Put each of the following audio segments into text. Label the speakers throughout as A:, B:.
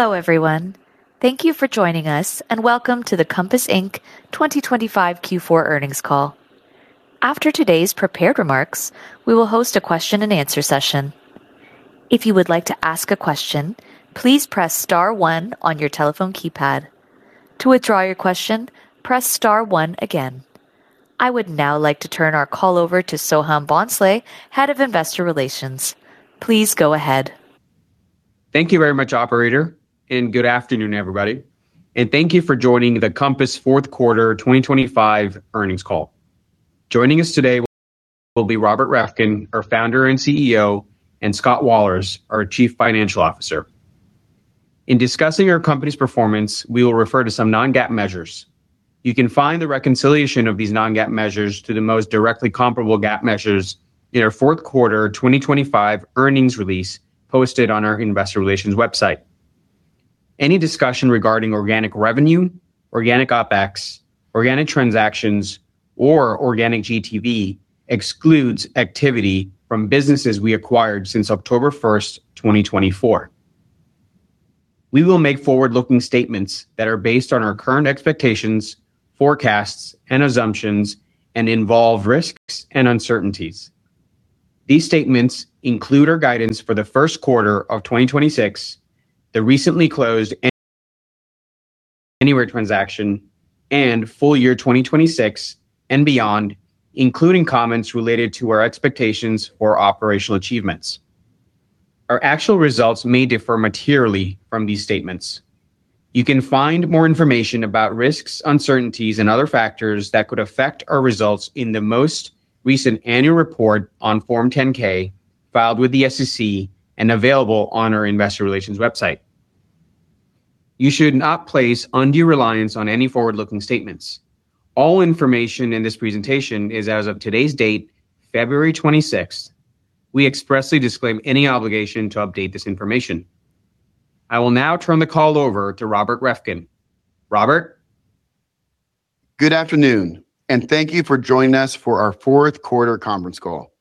A: Hello, everyone. Thank you for joining us, and welcome to the Compass, Inc. 2025 Q4 earnings call. After today's prepared remarks, we will host a question and answer session. If you would like to ask a question, please press star one on your telephone keypad. To withdraw your question, press star one again. I would now like to turn our call over to Soham Bhonsle, Head of Investor Relations. Please go ahead.
B: Thank you very much, operator, good afternoon, everybody, and thank you for joining the Compass fourth quarter 2025 earnings call. Joining us today will be Robert Reffkin, our Founder and CEO, and Scott Wahlers, our Chief Financial Officer. In discussing our company's performance, we will refer to some non-GAAP measures. You can find the reconciliation of these non-GAAP measures to the most directly comparable GAAP measures in our fourth quarter 2025 earnings release posted on our investor relations website. Any discussion regarding organic revenue, organic OpEx, organic transactions, or organic GTV excludes activity from businesses we acquired since October 1, 2024. We will make forward-looking statements that are based on our current expectations, forecasts, and assumptions and involve risks and uncertainties. These statements include our guidance for the first quarter of 2026, the recently closed Anywhere transaction, and full year 2026 and beyond, including comments related to our expectations or operational achievements. Our actual results may differ materially from these statements. You can find more information about risks, uncertainties, and other factors that could affect our results in the most recent annual report on Form 10-K, filed with the SEC and available on our investor relations website. You should not place undue reliance on any forward-looking statements. All information in this presentation is as of today's date, February 26th. We expressly disclaim any obligation to update this information. I will now turn the call over to Robert Reffkin. Robert?
C: Good afternoon, and thank you for joining us for our fourth quarter conference call.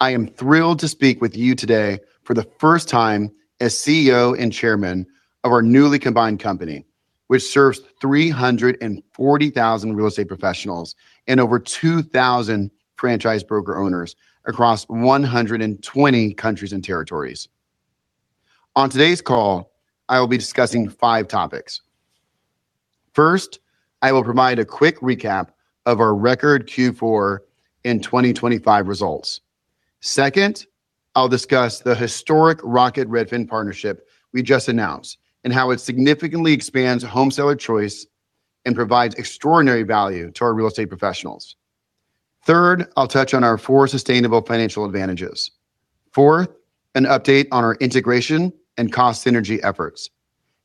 C: I am thrilled to speak with you today for the first time as CEO and Chairman of our newly combined company, which serves 340,000 real estate professionals and over 2,000 franchise broker-owners across 120 countries and territories. On today's call, I will be discussing five topics. First, I will provide a quick recap of our record Q4 in 2025 results. Second, I'll discuss the historic Rocket Redfin partnership we just announced and how it significantly expands home seller choice and provides extraordinary value to our real estate professionals. Third, I'll touch on our four sustainable financial advantages. Fourth, an update on our integration and cost synergy efforts.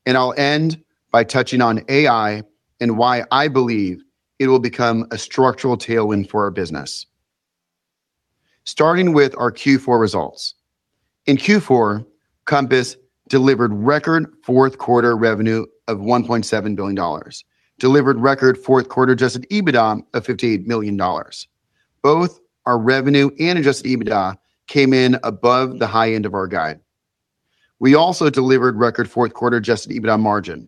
C: I'll end by touching on AI and why I believe it will become a structural tailwind for our business. Starting with our Q4 results. In Q4, Compass delivered record fourth quarter revenue of $1.7 billion, delivered record fourth quarter adjusted EBITDA of $58 million. Both our revenue and adjusted EBITDA came in above the high end of our guide. We also delivered record fourth quarter adjusted EBITDA margin,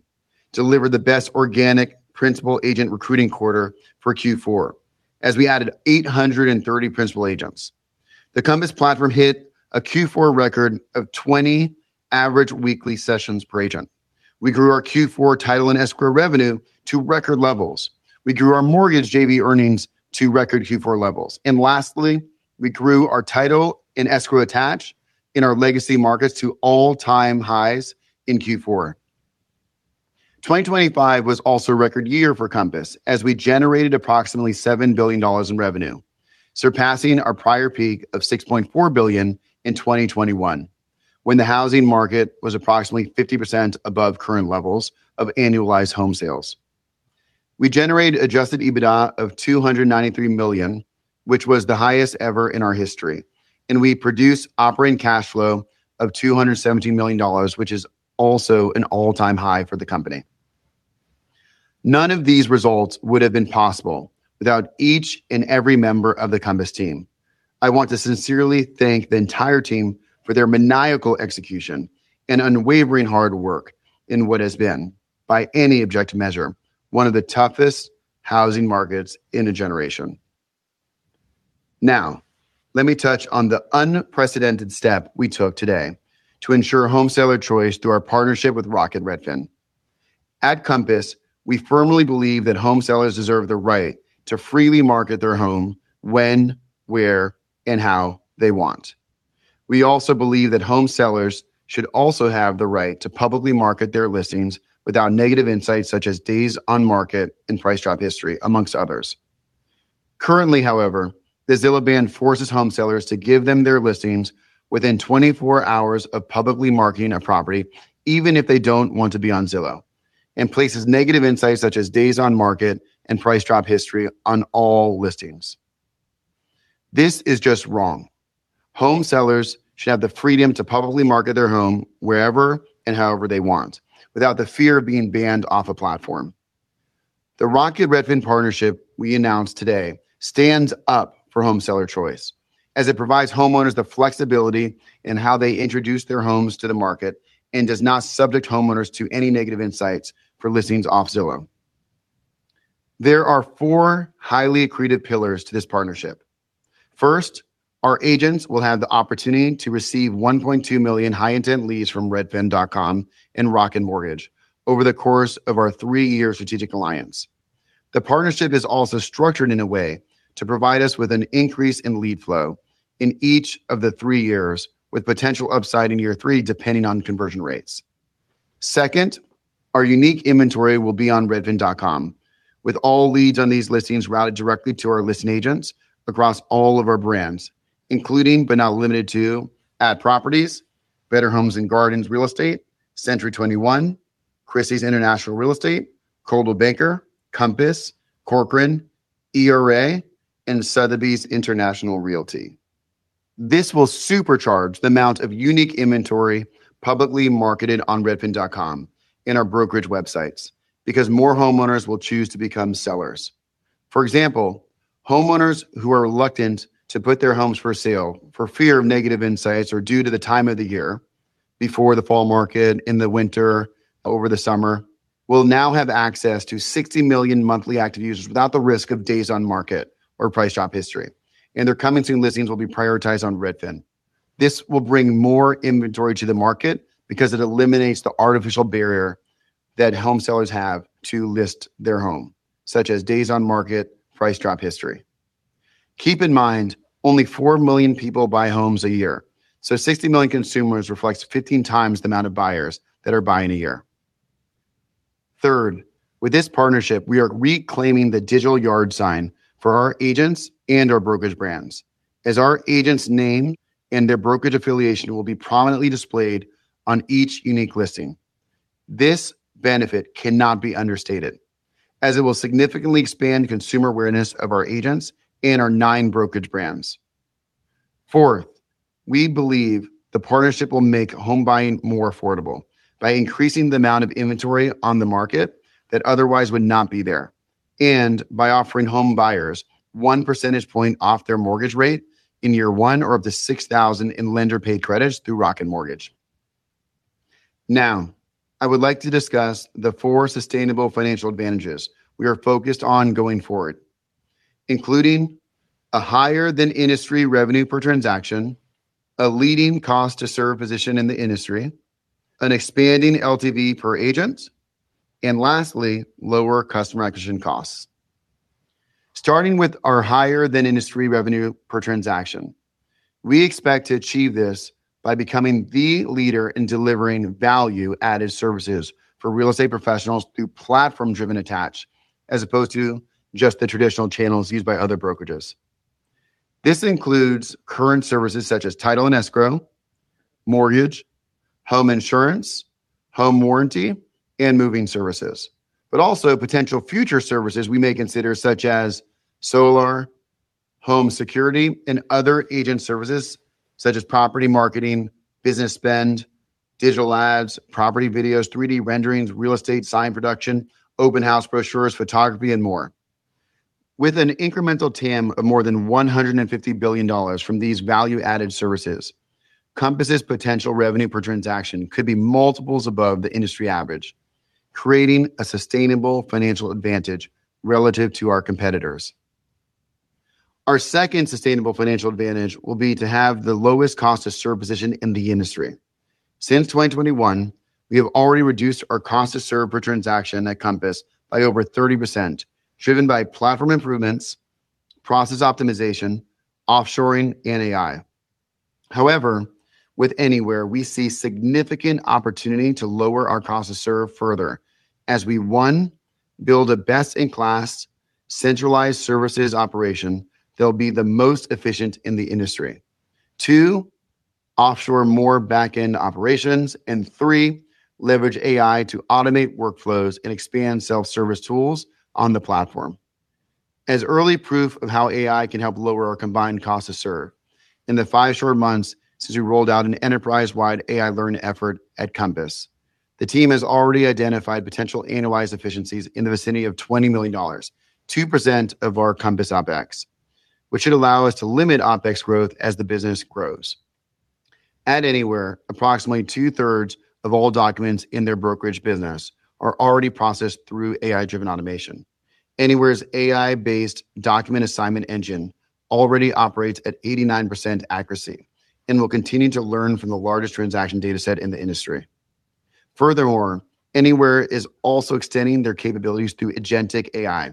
C: delivered the best organic principal agent recruiting quarter for Q4, as we added 830 principal agents. The Compass platform hit a Q4 record of 20 average weekly sessions per agent. We grew our Q4 title and escrow revenue to record levels. We grew our mortgage JV earnings to record Q4 levels. Lastly, we grew our title and escrow attach in our legacy markets to all-time highs in Q4. 2025 was also a record year for Compass, as we generated approximately $7 billion in revenue, surpassing our prior peak of $6.4 billion in 2021, when the housing market was approximately 50% above current levels of annualized home sales. We generated adjusted EBITDA of $293 million, which was the highest ever in our history, and we produced operating cash flow of $217 million, which is also an all-time high for the company. None of these results would have been possible without each and every member of the Compass team. I want to sincerely thank the entire team for their maniacal execution and unwavering hard work in what has been, by any objective measure, one of the toughest housing markets in a generation. Let me touch on the unprecedented step we took today to ensure home seller choice through our partnership with Rocket Redfin. At Compass, we firmly believe that home sellers deserve the right to freely market their home when, where, and how they want. We also believe that home sellers should also have the right to publicly market their listings without negative insights such as days on market and price drop history, amongst others. Currently, however, the Zillow ban forces home sellers to give them their listings within 24 hours of publicly marketing a property, even if they don't want to be on Zillow, and places negative insights such as days on market and price drop history on all listings. This is just wrong. Home sellers should have the freedom to publicly market their home wherever and however they want, without the fear of being banned off a platform. The Rocket Redfin partnership we announced today stands up for home seller choice as it provides homeowners the flexibility in how they introduce their homes to the market and does not subject homeowners to any negative insights for listings off Zillow. There are four highly accretive pillars to this partnership. First, our agents will have the opportunity to receive 1.2 million high intent leads from redfin.com and Rocket Mortgage over the course of our three-year strategic alliance. The partnership is also structured in a way to provide us with an increase in lead flow in each of the three years, with potential upside in year three depending on conversion rates. Second, our unique inventory will be on redfin.com, with all leads on these listings routed directly to our listing agents across all of our brands, including but not limited to @properties, Better Homes and Gardens Real Estate, CENTURY 21, Christie's International Real Estate, Coldwell Banker, Compass, Corcoran, ERA, and Sotheby's International Realty. This will supercharge the amount of unique inventory publicly marketed on redfin.com in our brokerage websites because more homeowners will choose to become sellers. For example, homeowners who are reluctant to put their homes for sale for fear of negative insights or due to the time of the year before the fall market, in the winter, over the summer, will now have access to 60 million monthly active users without the risk of days on market or price drop history, and their Coming Soon listings will be prioritized on Redfin. This will bring more inventory to the market because it eliminates the artificial barrier that home sellers have to list their home, such as days on market, price drop history. Keep in mind, only 4 million people buy homes a year, so 60 million consumers reflects 15 times the amount of buyers that are buying a year. Third, with this partnership, we are reclaiming the digital yard sign for our agents and our brokerage brands as our agent's name and their brokerage affiliation will be prominently displayed on each unique listing. This benefit cannot be understated as it will significantly expand consumer awareness of our agents and our nine brokerage brands. We believe the partnership will make home buying more affordable by increasing the amount of inventory on the market that otherwise would not be there, and by offering home buyers one percentage point off their mortgage rate in year one or up to $6,000 in lender paid credits through Rocket Mortgage. I would like to discuss the four sustainable financial advantages we are focused on going forward, including a higher than industry revenue per transaction, a leading cost to serve position in the industry, an expanding LTV per agent, and lastly, lower customer acquisition costs. Starting with our higher than industry revenue per transaction. We expect to achieve this by becoming the leader in delivering value-added services for real estate professionals through platform-driven attach as opposed to just the traditional channels used by other brokerages. This includes current services such as title and escrow, mortgage, home insurance, home warranty, and moving services, also potential future services we may consider, such as solar, home security, and other agent services such as property marketing, business spend, digital ads, property videos, 3D renderings, real estate sign production, open house brochures, photography, and more. With an incremental TAM of more than $150 billion from these value-added services, Compass's potential revenue per transaction could be multiples above the industry average, creating a sustainable financial advantage relative to our competitors. Our second sustainable financial advantage will be to have the lowest cost to serve position in the industry. Since 2021, we have already reduced our cost to serve per transaction at Compass by over 30%, driven by platform improvements, process optimization, offshoring, and AI. However, with Anywhere, we see significant opportunity to lower our cost to serve further as we, one, build a best-in-class centralized services operation that'll be the most efficient in the industry. Two, offshore more back-end operations. Three, leverage AI to automate workflows and expand self-service tools on the platform. As early proof of how AI can help lower our combined cost to serve, in the five short months since we rolled out an enterprise-wide AI learn effort at Compass, the team has already identified potential annualized efficiencies in the vicinity of $20 million, 2% of our Compass OPEX, which should allow us to limit OPEX growth as the business grows. At Anywhere, approximately two-thirds of all documents in their brokerage business are already processed through AI-driven automation. Anywhere's AI-based document assignment engine already operates at 89% accuracy and will continue to learn from the largest transaction data set in the industry. Furthermore, Anywhere is also extending their capabilities through agentic AI,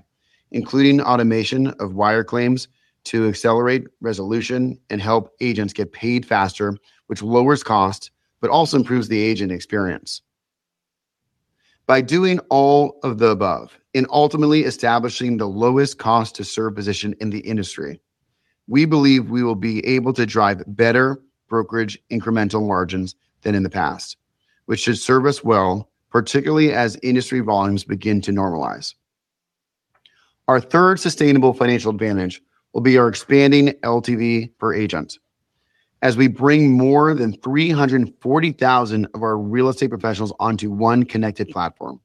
C: including automation of wire claims to accelerate resolution and help agents get paid faster, which lowers cost but also improves the agent experience. By doing all of the above and ultimately establishing the lowest cost to serve position in the industry, we believe we will be able to drive better brokerage incremental margins than in the past, which should serve us well, particularly as industry volumes begin to normalize. Our third sustainable financial advantage will be our expanding LTV per agent.... As we bring more than 340,000 of our real estate professionals onto one connected platform.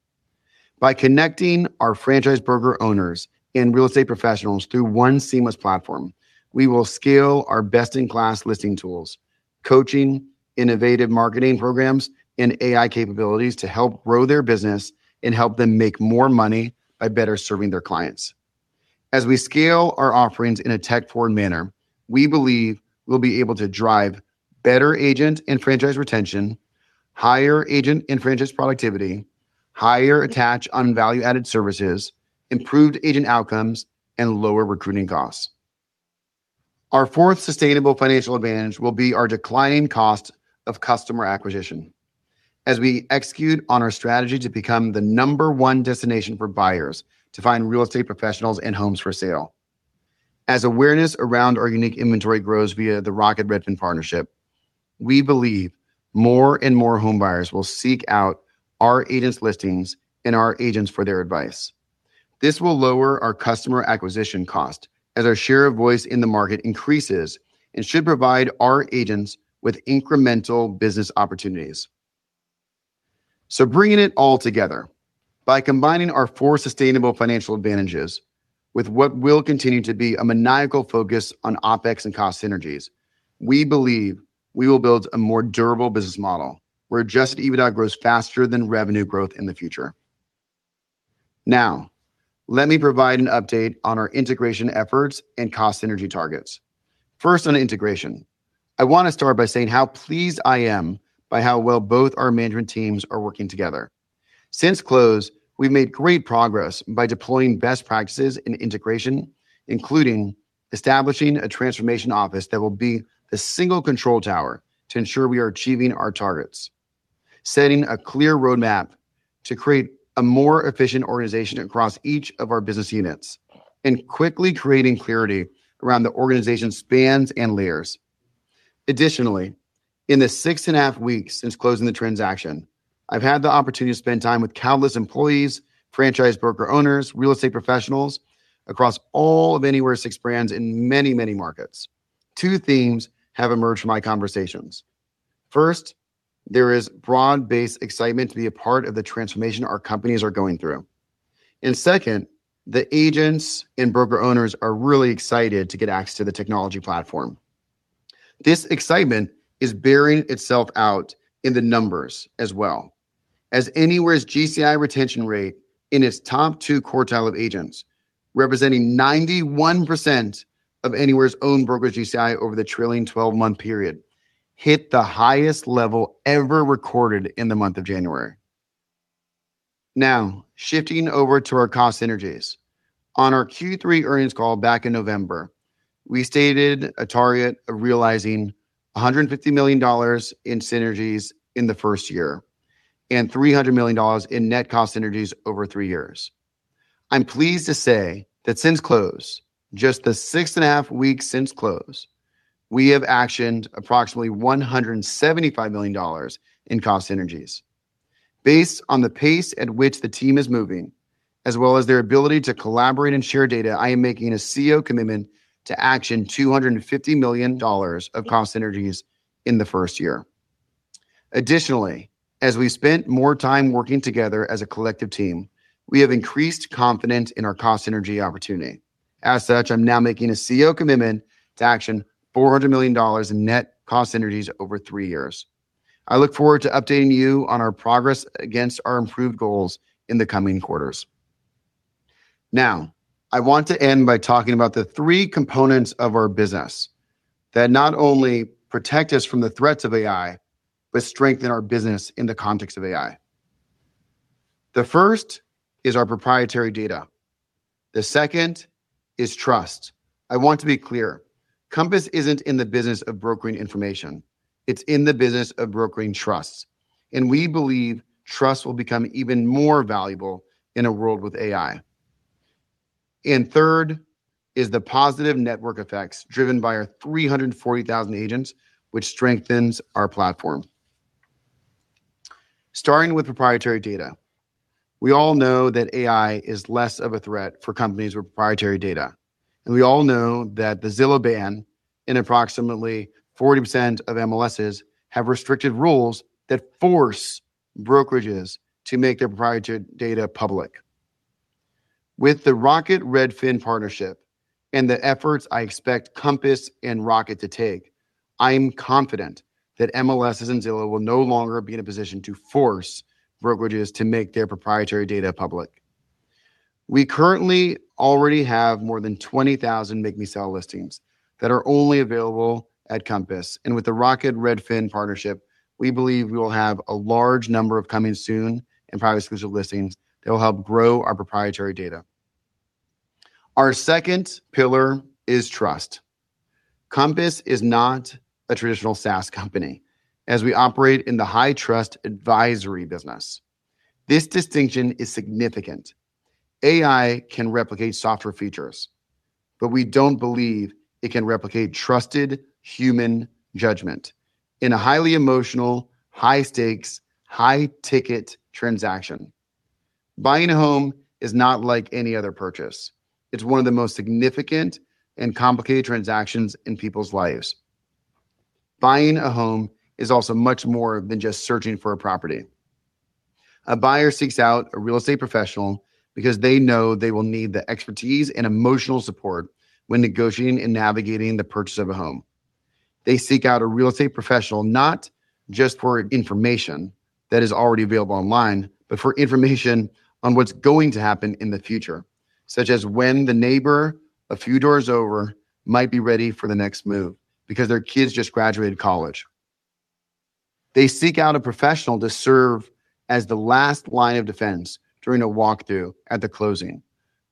C: By connecting our franchise broker-owners and real estate professionals through one seamless platform, we will scale our best-in-class listing tools, coaching innovative marketing programs, and AI capabilities to help grow their business and help them make more money by better serving their clients. As we scale our offerings in a tech-forward manner, we believe we'll be able to drive better agent and franchise retention, higher agent and franchise productivity, higher attach on value-added services, improved agent outcomes, and lower recruiting costs. Our fourth sustainable financial advantage will be our declining cost of customer acquisition as we execute on our strategy to become the number one destination for buyers to find real estate professionals and homes for sale. As awareness around our unique inventory grows via the Rocket Redfin partnership, we believe more and more home buyers will seek out our agents' listings and our agents for their advice. This will lower our customer acquisition cost as our share of voice in the market increases and should provide our agents with incremental business opportunities. Bringing it all together, by combining our four sustainable financial advantages with what will continue to be a maniacal focus on OpEx and cost synergies, we believe we will build a more durable business model, where adjusted EBITDA grows faster than revenue growth in the future. Let me provide an update on our integration efforts and cost synergy targets. First, on integration. I want to start by saying how pleased I am by how well both our management teams are working together. Since close, we've made great progress by deploying best practices in integration, including establishing a transformation office that will be the single control tower to ensure we are achieving our targets, setting a clear roadmap to create a more efficient organization across each of our business units, and quickly creating clarity around the organization's spans and layers. Additionally, in the 6.5 weeks since closing the transaction, I've had the opportunity to spend time with countless employees, franchise broker-owners, real estate professionals across all of Anywhere's six brands in many, many markets. Two themes have emerged from my conversations. First, there is broad-based excitement to be a part of the transformation our companies are going through. Second, the agents and broker-owners are really excited to get access to the technology platform. This excitement is bearing itself out in the numbers as well, as Anywhere's GCI retention rate in its top two quartile of agents, representing 91% of Anywhere's own brokerage GCI over the trailing 12-month period, hit the highest level ever recorded in the month of January. Shifting over to our cost synergies. On our Q3 earnings call back in November, we stated a target of realizing $150 million in synergies in the first year and $300 million in net cost synergies over three years. I'm pleased to say that since close, just the 6.5 weeks since close, we have actioned approximately $175 million in cost synergies. Based on the pace at which the team is moving, as well as their ability to collaborate and share data, I am making a CEO commitment to action $250 million of cost synergies in the first year. As we spent more time working together as a collective team, we have increased confidence in our cost synergy opportunity. I'm now making a CEO commitment to action $400 million in net cost synergies over three years. I look forward to updating you on our progress against our improved goals in the coming quarters. I want to end by talking about the three components of our business that not only protect us from the threats of AI, but strengthen our business in the context of AI. The first is our proprietary data. The second is trust. I want to be clear, Compass isn't in the business of brokering information. It's in the business of brokering trust, we believe trust will become even more valuable in a world with AI. Third is the positive network effects driven by our 340,000 agents, which strengthens our platform. Starting with proprietary data, we all know that AI is less of a threat for companies with proprietary data, we all know that the Zillow ban and approximately 40% of MLSs have restricted rules that force brokerages to make their proprietary data public. With the Rocket Redfin partnership and the efforts I expect Compass and Rocket to take, I'm confident that MLSs and Zillow will no longer be in a position to force brokerages to make their proprietary data public. We currently already have more than 20,000 Make Me Sell listings that are only available at Compass. With the Rocket Redfin partnership, we believe we will have a large number of Coming Soon and Private Exclusive listings that will help grow our proprietary data. Our second pillar is trust. Compass is not a traditional SaaS company, as we operate in the high trust advisory business. This distinction is significant. AI can replicate software features. We don't believe it can replicate trusted human judgment in a highly emotional, high-stakes, high-ticket transaction. Buying a home is not like any other purchase. It's one of the most significant and complicated transactions in people's lives. Buying a home is also much more than just searching for a property. A buyer seeks out a real estate professional because they know they will need the expertise and emotional support when negotiating and navigating the purchase of a home. They seek out a real estate professional not just for information that is already available online, but for information on what's going to happen in the future, such as when the neighbor a few doors over might be ready for the next move because their kids just graduated college. They seek out a professional to serve as the last line of defense during a walkthrough at the closing.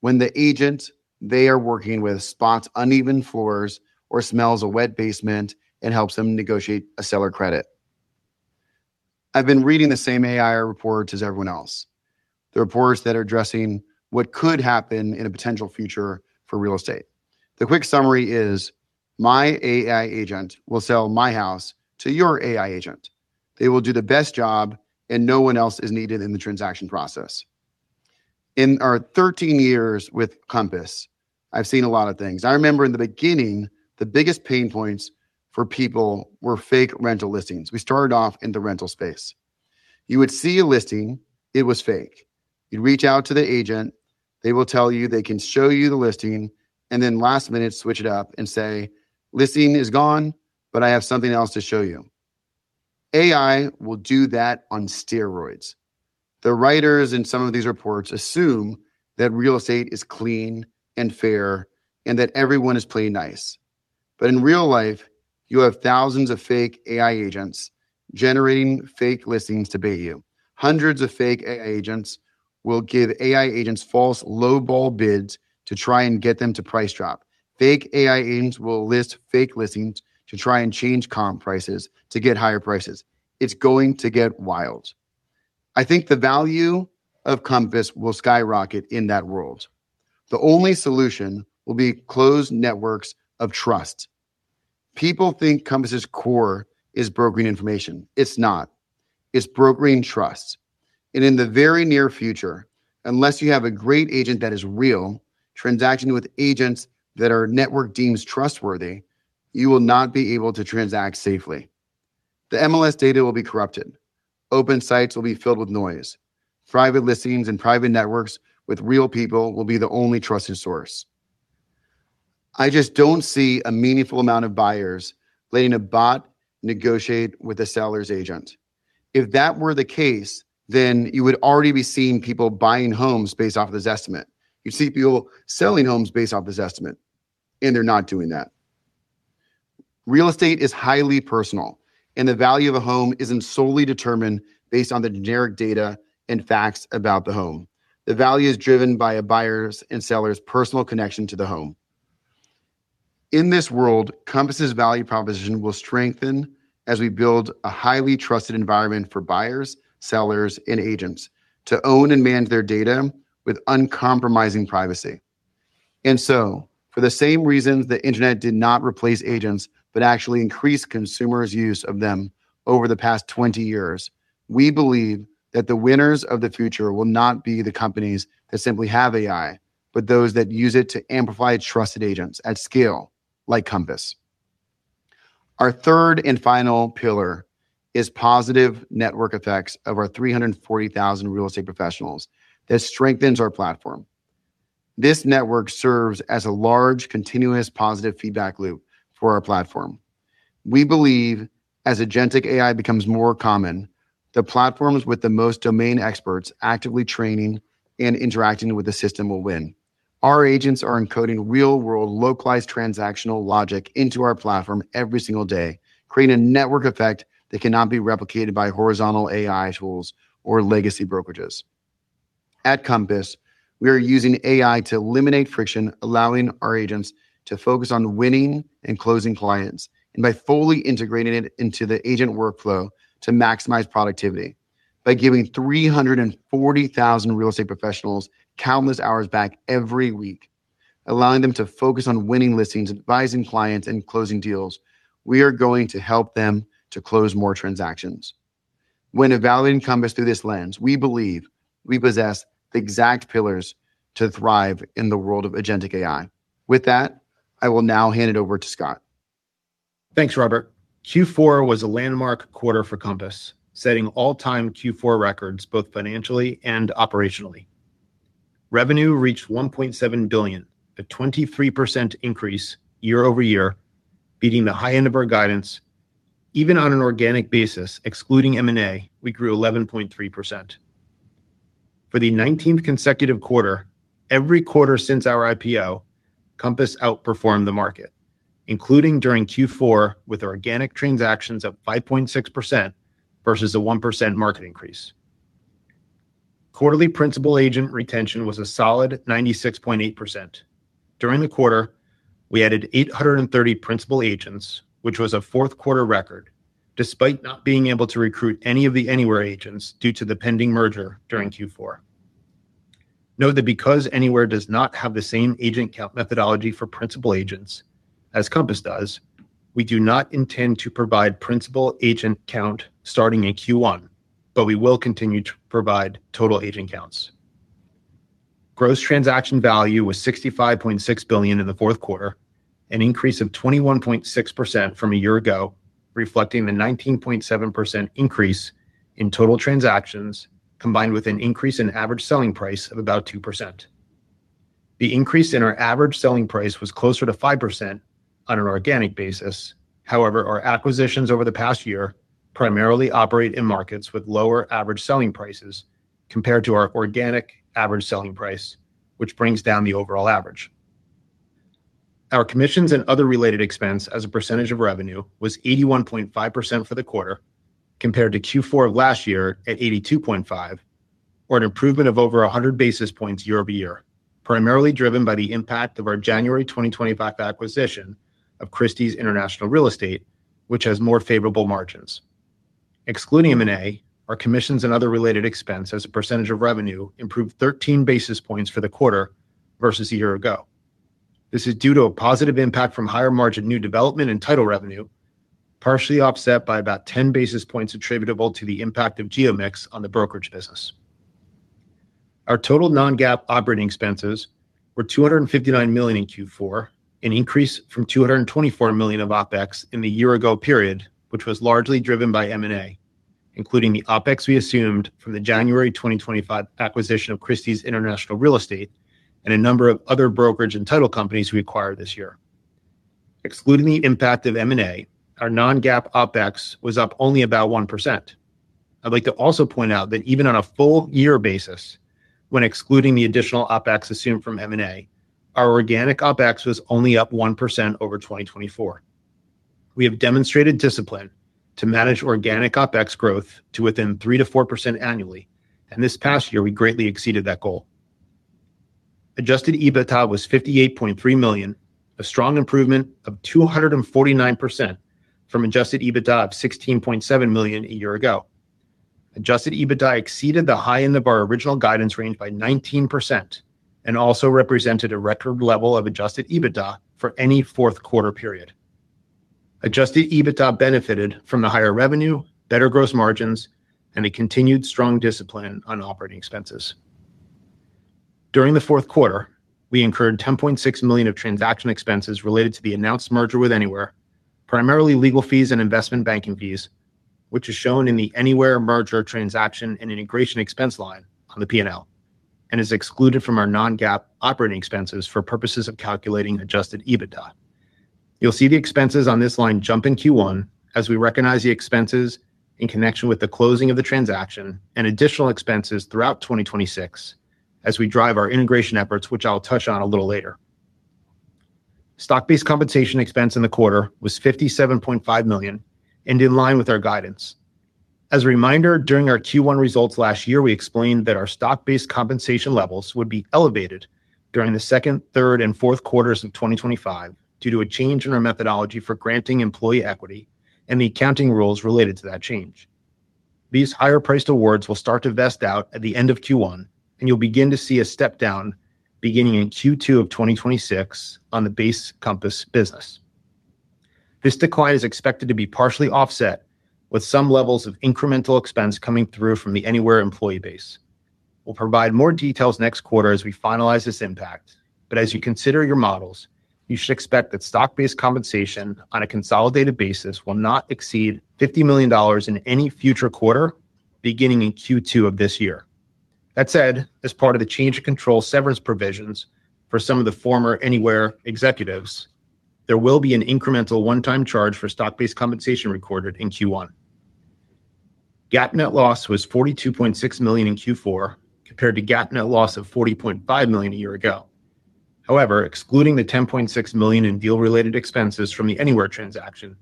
C: When the agent they are working with spots uneven floors or smells a wet basement and helps them negotiate a seller credit. I've been reading the same AI reports as everyone else. The reports that are addressing what could happen in a potential future for real estate. The quick summary is my AI agent will sell my house to your AI agent. They will do the best job, and no one else is needed in the transaction process. In our 13 years with Compass, I've seen a lot of things. I remember in the beginning, the biggest pain points for people were fake rental listings. We started off in the rental space. You would see a listing, it was fake. You'd reach out to the agent, they will tell you they can show you the listing, and then last minute switch it up and say, "Listing is gone, but I have something else to show you." AI will do that on steroids. The writers in some of these reports assume that real estate is clean and fair and that everyone is playing nice. In real life, you have thousands of fake AI agents generating fake listings to bait you. Hundreds of fake AI agents will give AI agents false lowball bids to try and get them to price drop. Fake AI agents will list fake listings to try to change comp prices to get higher prices. It's going to get wild. I think the value of Compass will skyrocket in that world. The only solution will be closed networks of trust. People think Compass's core is brokering information. It's not. It's brokering trust. In the very near future, unless you have a great agent that is real, transacting with agents that our network deems trustworthy, you will not be able to transact safely. The MLS data will be corrupted. Open sites will be filled with noise. Private listings and private networks with real people will be the only trusted source. I just don't see a meaningful amount of buyers letting a bot negotiate with a seller's agent. If that were the case, then you would already be seeing people buying homes based off of Zestimate. You'd see people selling homes based off Zestimate, and they're not doing that. Real estate is highly personal, and the value of a home isn't solely determined based on the generic data and facts about the home. The value is driven by a buyer's and seller's personal connection to the home. In this world, Compass's value proposition will strengthen as we build a highly trusted environment for buyers, sellers, and agents to own and manage their data with uncompromising privacy. For the same reasons the internet did not replace agents but actually increased consumers' use of them over the past 20 years, we believe that the winners of the future will not be the companies that simply have AI, but those that use it to amplify trusted agents at scale, like Compass. Our third and final pillar is positive network effects of our 340,000 real estate professionals that strengthens our platform. This network serves as a large, continuous positive feedback loop for our platform. We believe as agentic AI becomes more common, the platforms with the most domain experts actively training and interacting with the system will win. Our agents are encoding real-world, localized transactional logic into our platform every single day, creating a network effect that cannot be replicated by horizontal AI tools or legacy brokerages. At Compass, we are using AI to eliminate friction, allowing our agents to focus on winning and closing clients, and by fully integrating it into the agent workflow to maximize productivity. By giving 340,000 real estate professionals countless hours back every week, allowing them to focus on winning listings, advising clients, and closing deals, we are going to help them to close more transactions. When evaluating Compass through this lens, we believe we possess the exact pillars to thrive in the world of agentic AI. With that, I will now hand it over to Scott.
D: Thanks, Robert. Q4 was a landmark quarter for Compass, setting all-time Q4 records, both financially and operationally. Revenue reached $1.7 billion, a 23% increase year-over-year, beating the high end of our guidance. Even on an organic basis, excluding M&A, we grew 11.3%. For the 19th consecutive quarter, every quarter since our IPO, Compass outperformed the market, including during Q4 with organic transactions of 5.6% versus a 1% market increase. Quarterly principal agent retention was a solid 96.8%. During the quarter, we added 830 principal agents, which was a fourth quarter record, despite not being able to recruit any of the Anywhere agents due to the pending merger during Q4. Know that because Anywhere does not have the same agent count methodology for principal agents as Compass does, we do not intend to provide principal agent count starting in Q1. We will continue to provide total agent counts. Gross Transaction Value was $65.6 billion in the fourth quarter, an increase of 21.6% from a year ago, reflecting the 19.7% increase in total transactions, combined with an increase in average selling price of about 2%. The increase in our average selling price was closer to 5% on an organic basis. Our acquisitions over the past year primarily operate in markets with lower average selling prices compared to our organic average selling price, which brings down the overall average. Our commissions and other related expense as a percentage of revenue was 81.5% for the quarter, compared to Q4 of last year at 82.5%, or an improvement of over 100 basis points year-over-year, primarily driven by the impact of our January 2025 acquisition of Christie's International Real Estate, which has more favorable margins. Excluding M&A, our commissions and other related expense as a percentage of revenue improved 13 basis points for the quarter versus a year ago. This is due to a positive impact from higher margin new development and title revenue, partially offset by about 10 basis points attributable to the impact of geo mix on the brokerage business. Our total non-GAAP operating expenses were $259 million in Q4, an increase from $224 million of OpEx in the year ago period, which was largely driven by M&A, including the OpEx we assumed from the January 2025 acquisition of Christie's International Real Estate and a number of other brokerage and title companies we acquired this year. Excluding the impact of M&A, our non-GAAP OpEx was up only about 1%. I'd like to also point out that even on a full year basis, when excluding the additional OpEx assumed from M&A, our organic OpEx was only up 1% over 2024. We have demonstrated discipline to manage organic OpEx growth to within 3%-4% annually, and this past year, we greatly exceeded that goal. Adjusted EBITDA was $58.3 million, a strong improvement of 249% from adjusted EBITDA of $16.7 million a year ago. Adjusted EBITDA exceeded the high end of our original guidance range by 19% and also represented a record level of adjusted EBITDA for any fourth quarter period. Adjusted EBITDA benefited from the higher revenue, better gross margins, and a continued strong discipline on operating expenses. During the fourth quarter, we incurred $10.6 million of transaction expenses related to the announced merger with Anywhere, primarily legal fees and investment banking fees, which is shown in the Anywhere merger transaction and integration expense line on the P&L, and is excluded from our non-GAAP operating expenses for purposes of calculating adjusted EBITDA. You'll see the expenses on this line jump in Q1 as we recognize the expenses in connection with the closing of the transaction and additional expenses throughout 2026 as we drive our integration efforts, which I'll touch on a little later. Stock-based compensation expense in the quarter was $57.5 million and in line with our guidance. As a reminder, during our Q1 results last year, we explained that our stock-based compensation levels would be elevated during the second, third, and fourth quarters of 2025 due to a change in our methodology for granting employee equity and the accounting rules related to that change. These higher priced awards will start to vest out at the end of Q1, and you'll begin to see a step down beginning in Q2 of 2026 on the base Compass business. This decline is expected to be partially offset, with some levels of incremental expense coming through from the Anywhere employee base. We'll provide more details next quarter as we finalize this impact. As you consider your models, you should expect that stock-based compensation on a consolidated basis will not exceed $50 million in any future quarter, beginning in Q2 of this year. That said, as part of the change in control severance provisions for some of the former Anywhere executives, there will be an incremental one-time charge for stock-based compensation recorded in Q1. GAAP net loss was $42.6 million in Q4, compared to GAAP net loss of $40.5 million a year ago. However, excluding the $10.6 million in deal-related expenses from the Anywhere transaction,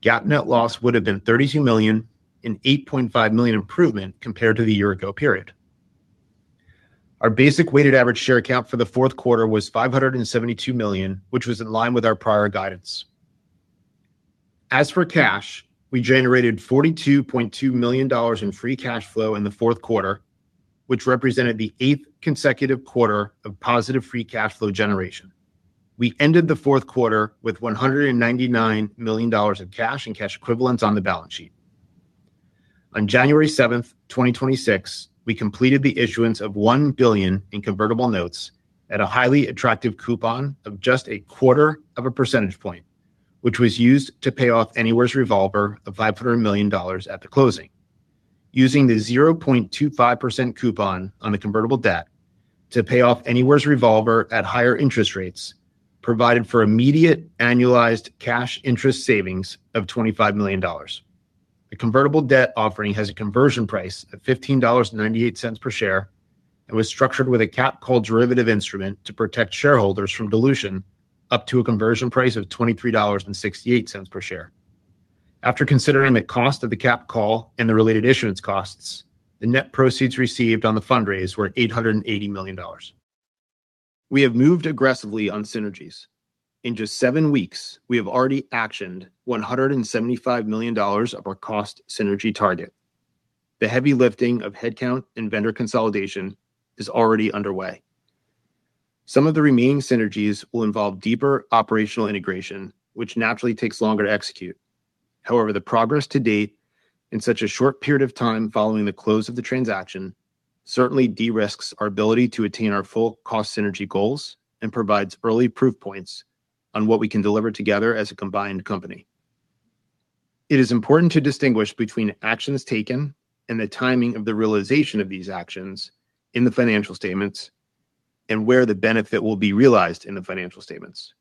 D: GAAP net loss would have been $32 million, an $8.5 million improvement compared to the year-ago period. Our basic weighted average share count for the fourth quarter was 572 million, which was in line with our prior guidance. As for cash, we generated $42.2 million in free cash flow in the fourth quarter, which represented the eighth consecutive quarter of positive free cash flow generation. We ended the fourth quarter with $199 million of cash and cash equivalents on the balance sheet. On January 7, 2026, we completed the issuance of $1 billion in convertible notes at a highly attractive coupon of just a quarter of a percentage point, which was used to pay off Anywhere's revolver of $500 million at the closing. Using the 0.25% coupon on the convertible debt to pay off Anywhere's revolver at higher interest rates, provided for immediate annualized cash interest savings of $25 million. The convertible debt offering has a conversion price of $15.98 per share and was structured with a capped call derivative instrument to protect shareholders from dilution up to a conversion price of $23.68 per share. After considering the cost of the cap call and the related issuance costs, the net proceeds received on the fundraise were $880 million. We have moved aggressively on synergies. In just seven weeks, we have already actioned $175 million of our cost synergy target. The heavy lifting of headcount and vendor consolidation is already underway. Some of the remaining synergies will involve deeper operational integration, which naturally takes longer to execute. However, the progress to date in such a short period of time following the close of the transaction certainly de-risks our ability to attain our full cost synergy goals and provides early proof points on what we can deliver together as a combined company. It is important to distinguish between actions taken and the timing of the realization of these actions in the financial statements and where the benefit will be realized in the financial statements.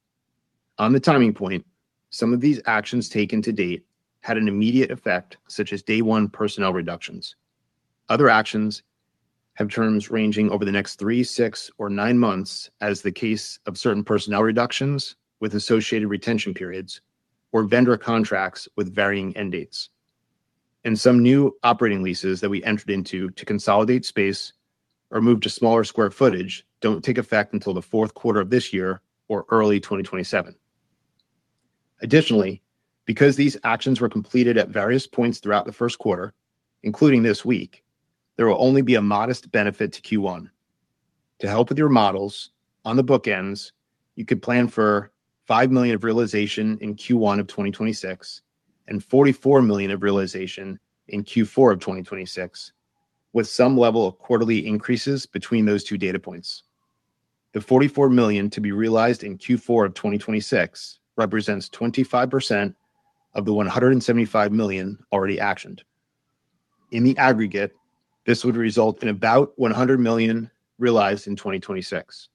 D: On the timing point, some of these actions taken to date had an immediate effect, such as day one personnel reductions. Other actions have terms ranging over the next three, six or nine months as the case of certain personnel reductions with associated retention periods or vendor contracts with varying end dates. Some new operating leases that we entered into to consolidate space or move to smaller square footage don't take effect until the fourth quarter of this year or early 2027. Additionally, because these actions were completed at various points throughout the first quarter, including this week, there will only be a modest benefit to Q1. To help with your models on the bookends, you could plan for $5 million of realization in Q1 of 2026 and $44 million of realization in Q4 of 2026, with some level of quarterly increases between those two data points. The $44 million to be realized in Q4 of 2026 represents 25% of the $175 million already actioned. In the aggregate, this would result in about $100 million realized in 2026.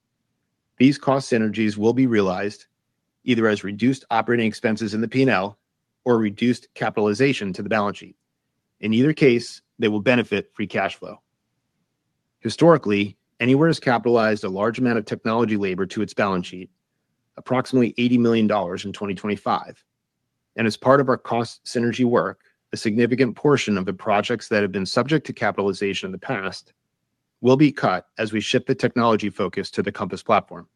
D: These cost synergies will be realized either as reduced operating expenses in the P&L or reduced capitalization to the balance sheet. In either case, they will benefit free cash flow. Historically, Anywhere has capitalized a large amount of technology labor to its balance sheet, approximately $80 million in 2025. As part of our cost synergy work, a significant portion of the projects that have been subject to capitalization in the past will be cut as we shift the technology focus to the Compass platform.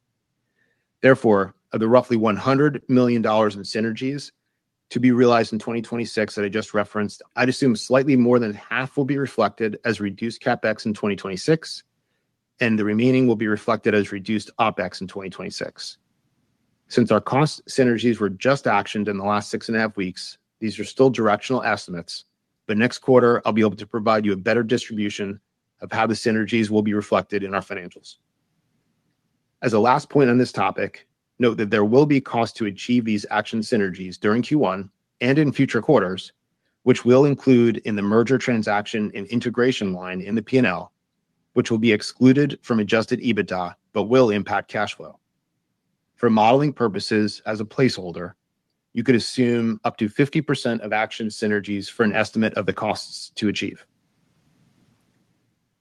D: Therefore, of the roughly $100 million in synergies to be realized in 2026 that I just referenced, I'd assume slightly more than half will be reflected as reduced CapEx in 2026, and the remaining will be reflected as reduced OpEx in 2026. Since our cost synergies were just actioned in the last six and a half weeks, these are still directional estimates, but next quarter I'll be able to provide you a better distribution of how the synergies will be reflected in our financials. As a last point on this topic, note that there will be cost to achieve these action synergies during Q1 and in future quarters, which will include in the merger transaction and integration line in the P&L, which will be excluded from adjusted EBITDA but will impact cash flow. For modeling purposes as a placeholder, you could assume up to 50% of action synergies for an estimate of the costs to achieve.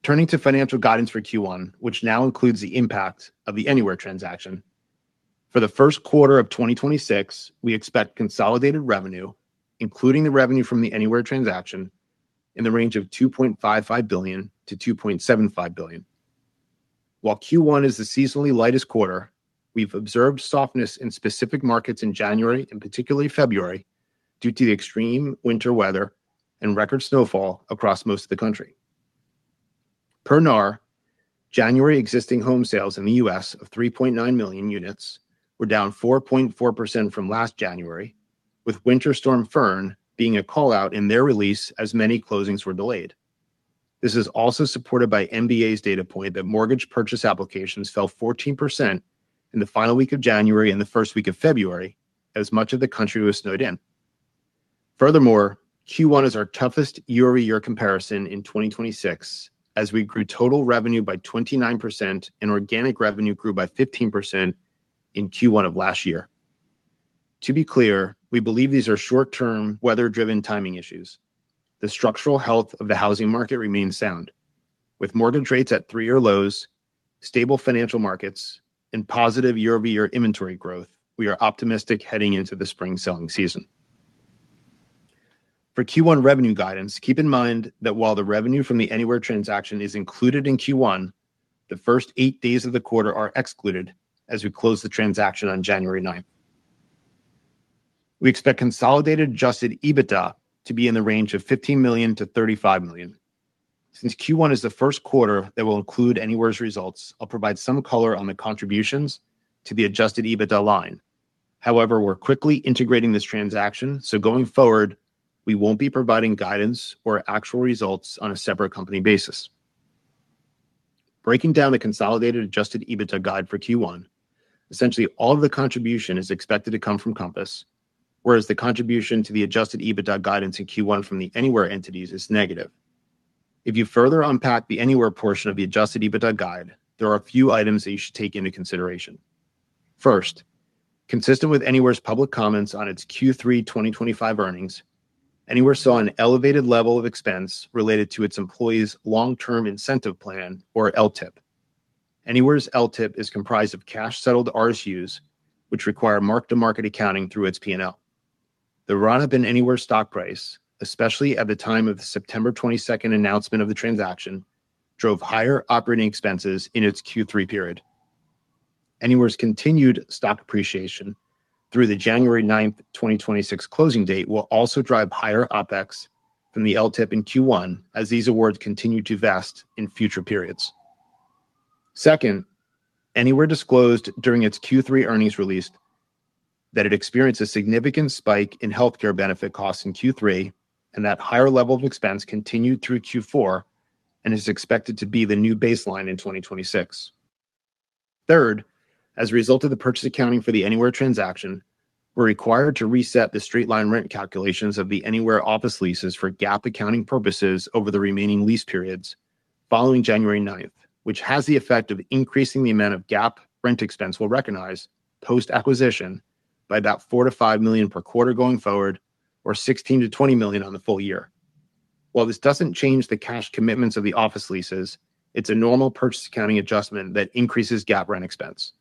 D: Turning to financial guidance for Q1, which now includes the impact of the Anywhere transaction. For the first quarter of 2026, we expect consolidated revenue, including the revenue from the Anywhere transaction, in the range of $2.55 billion-$2.75 billion. While Q1 is the seasonally lightest quarter, we've observed softness in specific markets in January and particularly February due to the extreme winter weather and record snowfall across most of the country. Per NAR, January existing home sales in the U.S. of 3.9 million units were down 4.4% from last January, with Winter Storm Fern being a call-out in their release as many closings were delayed. This is also supported by MBA's data point that mortgage purchase applications fell 14% in the final week of January and the first week of February as much of the country was snowed in. Q1 is our toughest year-over-year comparison in 2026 as we grew total revenue by 29% and organic revenue grew by 15% in Q1 of last year. To be clear, we believe these are short-term, weather-driven timing issues. The structural health of the housing market remains sound. With mortgage rates at three-year lows, stable financial markets, and positive year-over-year inventory growth, we are optimistic heading into the spring selling season. For Q1 revenue guidance, keep in mind that while the revenue from the Anywhere transaction is included in Q1, the first eight days of the quarter are excluded as we close the transaction on January 9th. We expect consolidated adjusted EBITDA to be in the range of $15 million-$35 million. Since Q1 is the first quarter that will include Anywhere's results, I'll provide some color on the contributions to the adjusted EBITDA line. However, we're quickly integrating this transaction, so going forward, we won't be providing guidance or actual results on a separate company basis. Breaking down the consolidated adjusted EBITDA guide for Q1, essentially all of the contribution is expected to come from Compass, whereas the contribution to the adjusted EBITDA guidance in Q1 from the Anywhere entities is negative. If you further unpack the Anywhere portion of the adjusted EBITDA guide, there are a few items that you should take into consideration. First, consistent with Anywhere's public comments on its Q3 2025 earnings, Anywhere saw an elevated level of expense related to its employees' long-term incentive plan, or LTIP. Anywhere's LTIP is comprised of cash-settled RSUs, which require mark-to-market accounting through its P&L. The run-up in Anywhere stock price, especially at the time of the September 22nd announcement of the transaction, drove higher operating expenses in its Q3 period. Anywhere's continued stock appreciation through the January ninth, 2026, closing date will also drive higher OpEx from the LTIP in Q1, as these awards continue to vest in future periods. Second, Anywhere disclosed during its Q3 earnings release that it experienced a significant spike in healthcare benefit costs in Q3, and that higher level of expense continued through Q4, and is expected to be the new baseline in 2026. Third, as a result of the purchase accounting for the Anywhere transaction, we're required to reset the straight-line rent calculations of the Anywhere office leases for GAAP accounting purposes over the remaining lease periods following January ninth, which has the effect of increasing the amount of GAAP rent expense we'll recognize post-acquisition by about $4 million-$5 million per quarter going forward, or $16 million-$20 million on the full year. While this doesn't change the cash commitments of the office leases, it's a normal purchase accounting adjustment that increases GAAP rent expense.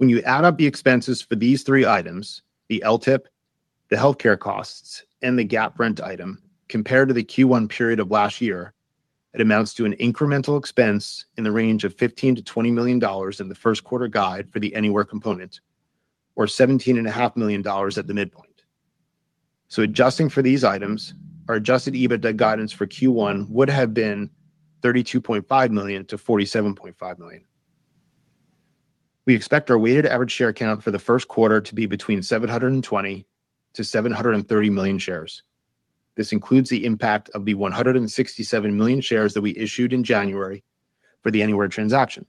D: When you add up the expenses for these three items, the LTIP, the healthcare costs, and the GAAP rent item, compared to the Q1 period of last year, it amounts to an incremental expense in the range of $15 million-$20 million in the first quarter guide for the Anywhere component, or seventeen and a half million dollars at the midpoint. Adjusting for these items, our adjusted EBITDA guidance for Q1 would have been $32.5 million-$47.5 million. We expect our weighted average share count for the first quarter to be between 720 million-730 million shares. This includes the impact of the 167 million shares that we issued in January for the Anywhere transaction.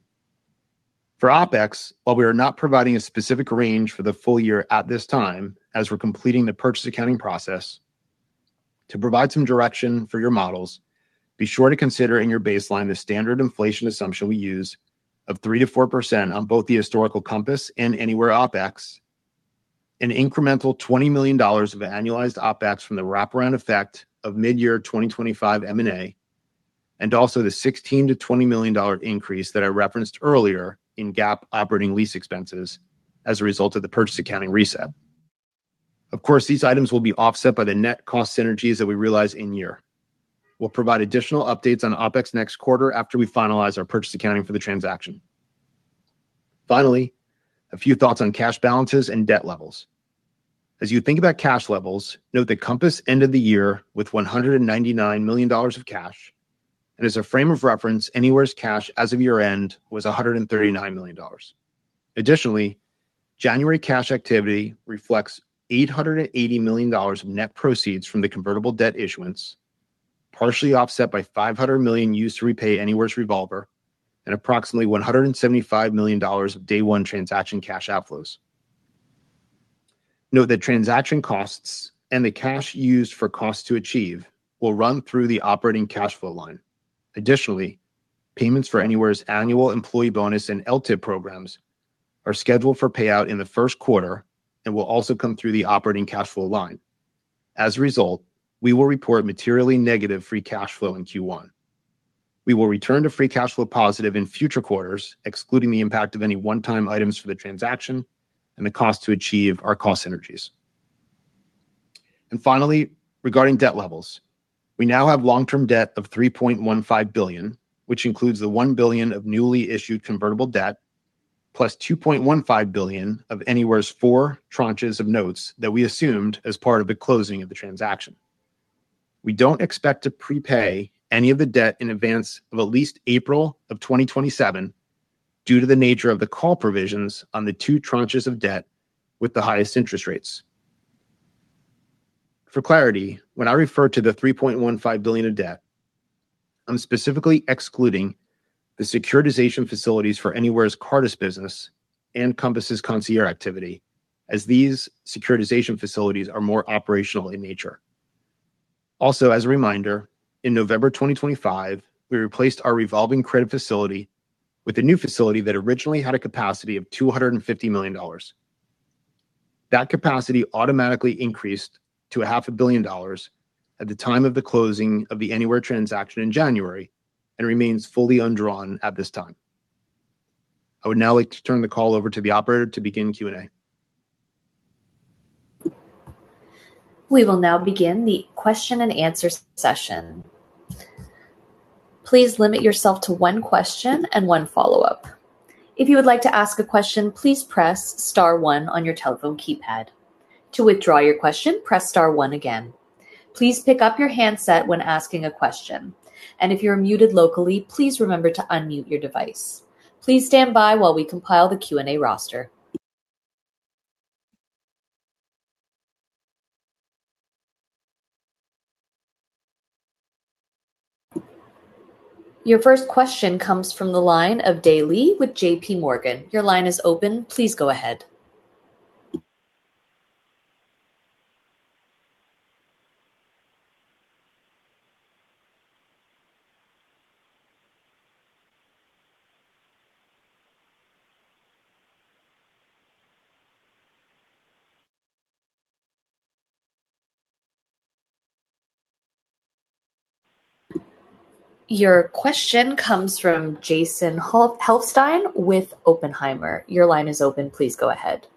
D: For OpEx, while we are not providing a specific range for the full year at this time, as we're completing the purchase accounting process, to provide some direction for your models, be sure to consider in your baseline the standard inflation assumption we use of 3%-4% on both the historical Compass and Anywhere OpEx, an incremental $20 million of annualized OpEx from the wraparound effect of midyear 2025 M&A. The $16 million-$20 million increase that I referenced earlier in GAAP operating lease expenses as a result of the purchase accounting reset. Of course, these items will be offset by the net cost synergies that we realize in year. We'll provide additional updates on OpEx next quarter after we finalize our purchase accounting for the transaction. A few thoughts on cash balances and debt levels. As you think about cash levels, note that Compass ended the year with $199 million of cash, and as a frame of reference, Anywhere's cash as of year-end was $139 million. January cash activity reflects $880 million of net proceeds from the convertible debt issuance, partially offset by $500 million used to repay Anywhere's revolver, and approximately $175 million of day one transaction cash outflows. Note that transaction costs and the cash used for costs to achieve will run through the operating cash flow line. Additionally, payments for Anywhere's annual employee bonus and LTIP programs are scheduled for payout in the first quarter and will also come through the operating cash flow line. As a result, we will report materially negative free cash flow in Q1. We will return to free cash flow positive in future quarters, excluding the impact of any one-time items for the transaction and the cost to achieve our cost synergies. Finally, regarding debt levels, we now have long-term debt of $3.15 billion, which includes the $1 billion of newly issued convertible debt, plus $2.15 billion of Anywhere's four tranches of notes that we assumed as part of the closing of the transaction. We don't expect to prepay any of the debt in advance of at least April of 2027 due to the nature of the call provisions on the two tranches of debt with the highest interest rates. For clarity, when I refer to the $3.15 billion of debt, I'm specifically excluding the securitization facilities for Anywhere's Cartus business and Compass's Concierge activity, as these securitization facilities are more operational in nature. As a reminder, in November 2025, we replaced our revolving credit facility with a new facility that originally had a capacity of $250 million. That capacity automatically increased to a half a billion dollars at the time of the closing of the Anywhere transaction in January, and remains fully undrawn at this time. I would now like to turn the call over to the operator to begin Q&A.
A: We will now begin the question and answer session. Please limit yourself to one question and one follow-up. If you would like to ask a question, please press star one on your telephone keypad. To withdraw your question, press star one again. Please pick up your handset when asking a question, and if you're muted locally, please remember to unmute your device. Please stand by while we compile the Q&A roster. Your first question comes from the line of Dae Lee with JPMorgan. Your line is open. Please go ahead. Your question comes from Jason Helfstein with Oppenheimer. Your line is open. Please go ahead.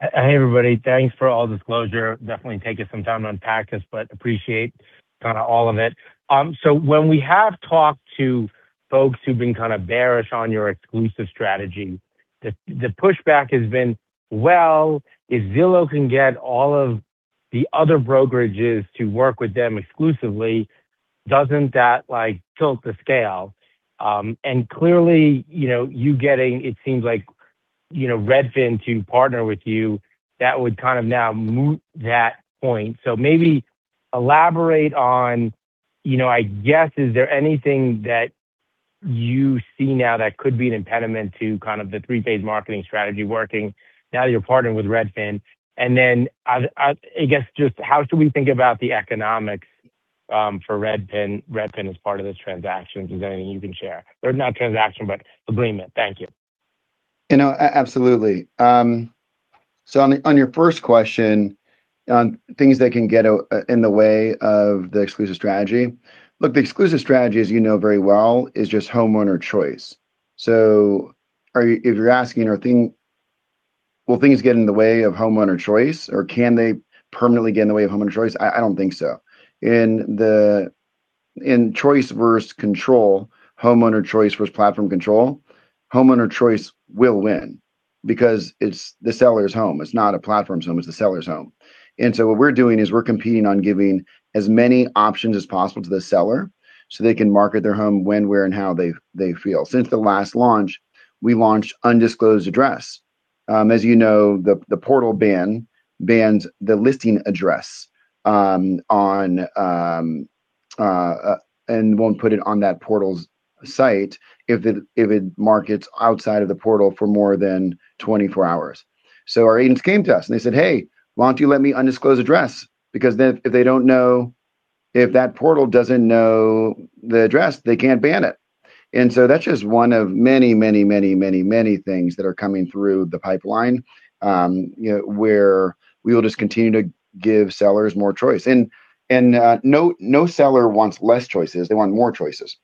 E: Hey, everybody. Thanks for all the disclosure. Definitely take us some time to unpack this, but appreciate kind of all of it. When we have talked to folks who've been kind of bearish on your exclusive strategy, the pushback has been, well, if Zillow can get all of the other brokerages to work with them exclusively, doesn't that, like, tilt the scale? Clearly, you know, you getting, it seems like, you know, Redfin to partner with you, that would kind of now moot that point. Maybe elaborate on, you know, I guess is there anything that you see now that could be an impediment to kind of the three-phase marketing strategy working now that you're partnering with Redfin? I guess just how should we think about the economics for Redfin as part of this transaction? Is there anything you can share? Not transaction, but agreement. Thank you.
C: You know, absolutely. On your first question on things that can get in the way of the exclusive strategy. Look, the exclusive strategy, as you know very well, is just homeowner choice. If you're asking Will things get in the way of homeowner choice or can they permanently get in the way of homeowner choice? I don't think so. In the, in choice versus control, homeowner choice versus platform control, homeowner choice will win because it's the seller's home. It's not a platform's home, it's the seller's home. What we're doing is we're competing on giving as many options as possible to the seller, so they can market their home when, where, and how they feel. Since the last launch, we launched Undisclosed Address. As you know, the Zillow ban bans the listing address on and won't put it on that portal's site if it markets outside of the portal for more than 24 hours. Our agents came to us, and they said, "Hey, why don't you let me Undisclosed Address?" Because if that portal doesn't know the address, they can't ban it. That's just one of many things that are coming through the pipeline, you know, where we will just continue to give sellers more choice. No seller wants less choices. They want more choices.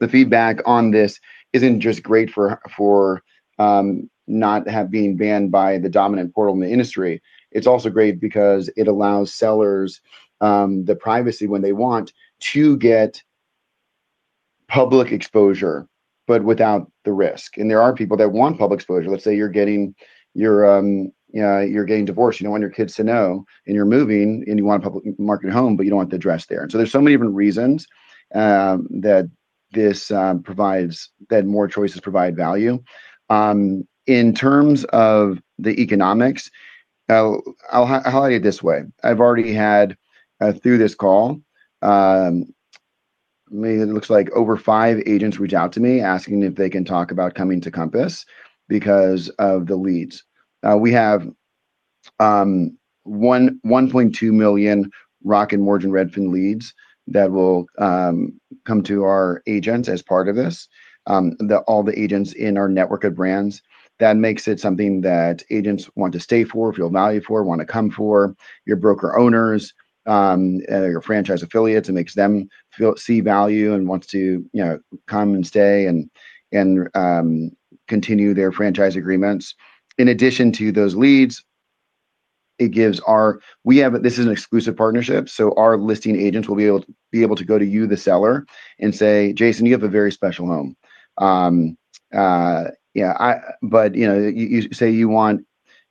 C: The feedback on this isn't just great for not have being banned by the dominant portal in the industry. It's also great because it allows sellers, the privacy when they want to get public exposure, but without the risk. There are people that want public exposure. Let's say you're getting, you know, you're getting divorced. You don't want your kids to know, and you're moving, and you want to public market your home, but you don't want the address there. There's so many different reasons that this provides that more choices provide value. In terms of the economics, I'll highlight it this way. I've already had, through this call, I mean, it looks like over five agents reach out to me asking if they can talk about coming to Compass because of the leads. We have $1.2 million Rocket Mortgage Redfin leads that will come to our agents as part of this. All the agents in our network of brands. That makes it something that agents want to stay for, feel value for, want to come for. Your broker-owners, your franchise affiliates, it makes them feel, see value and wants to come and stay and continue their franchise agreements. In addition to those leads, This is an exclusive partnership, our listing agents will be able to go to you, the seller, and say, "Jason, you have a very special home. You say you want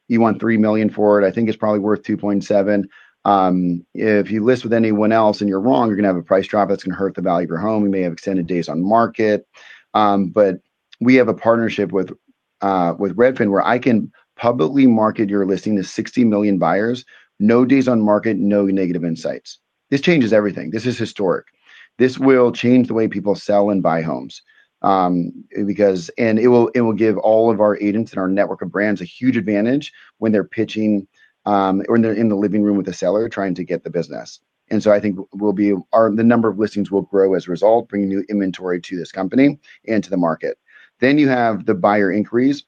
C: $3 million for it. I think it's probably worth $2.7 million. If you list with anyone else and you're wrong, you're gonna have a price drop that's gonna hurt the value of your home. You may have extended days on market. But we have a partnership with Redfin where I can publicly market your listing to 60 million buyers. No days on market, no negative insights. This changes everything. This is historic. This will change the way people sell and buy homes, because it will give all of our agents and our network of brands a huge advantage when they're pitching, when they're in the living room with the seller trying to get the business. I think the number of listings will grow as a result, bringing new inventory to this company and to the market. You have the buyer inquiries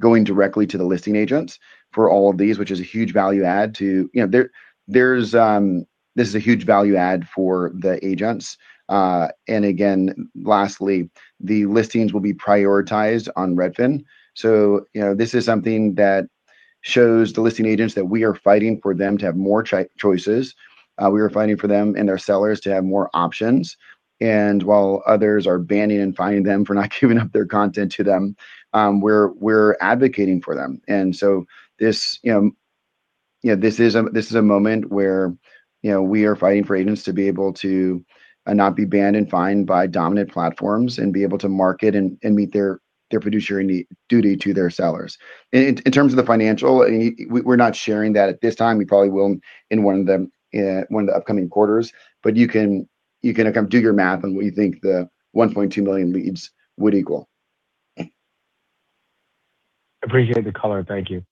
C: going directly to the listing agents for all of these, which is a huge value add for the agents. And again, lastly, the listings will be prioritized on Redfin. You know, this is something that shows the listing agents that we are fighting for them to have more choices. We are fighting for them and their sellers to have more options. While others are banning and fining them for not giving up their content to them, we're advocating for them. This, you know, this is a moment where, you know, we are fighting for agents to be able to not be banned and fined by dominant platforms and be able to market and meet their fiduciary duty to their sellers. In terms of the financial, we're not sharing that at this time. We probably will in one of the upcoming quarters. You can kind of do your math on what you think the 1.2 million leads would equal.
E: Appreciate the color. Thank you.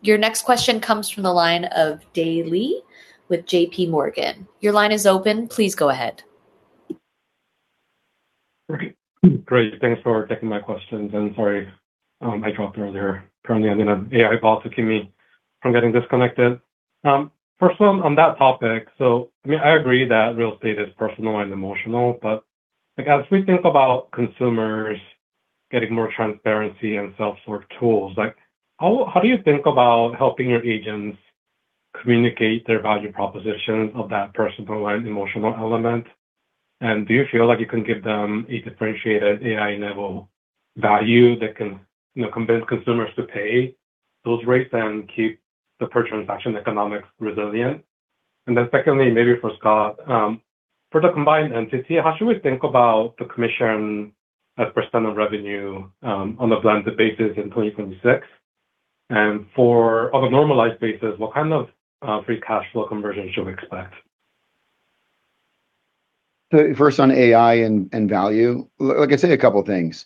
A: Your next question comes from the line of Dae Lee with JPMorgan. Your line is open. Please go ahead.
F: Great. Great. Thanks for taking my questions. Sorry, I dropped earlier. Currently, I'm in an AI policy to keep me from getting disconnected. First one, on that topic, I mean, I agree that real estate is personal and emotional, like, as we think about consumers getting more transparency and self-serve tools, like, how do you think about helping your agents communicate their value propositions of that personal and emotional element? Do you feel like you can give them a differentiated AI-enabled value that can, you know, convince consumers to pay those rates and keep the per-transaction economics resilient? Secondly, maybe for Scott, for the combined entity, how should we think about the commission as percent of revenue on a blended basis in 2026? On a normalized basis, what kind of, free cash flow conversion should we expect?
C: First, on AI and value, like I say, a couple of things.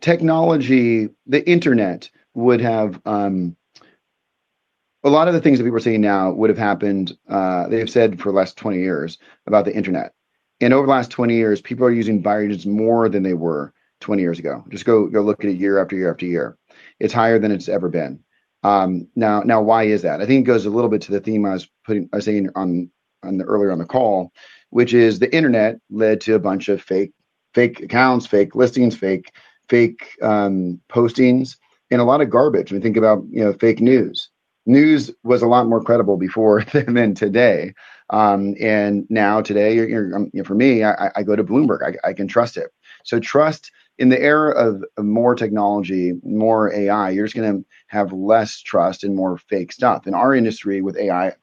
C: Technology, the internet would have. A lot of the things that we were seeing now would have happened, they have said for the last 20 years about the internet. Over the last 20 years, people are using buyer agents more than they were 20 years ago. Just go look at it year after year after year. It's higher than it's ever been. Now, why is that? I think it goes a little bit to the theme I was saying earlier on the call, which is the internet led to a bunch of fake accounts, fake listings, fake postings, and a lot of garbage. We think about, you know, fake news. News was a lot more credible before than today. Now, today, you're, you know, for me, I, I go to Bloomberg. I can trust it. Trust, in the era of more technology, more AI, you're just gonna have less trust and more fake stuff. In our industry with AI, it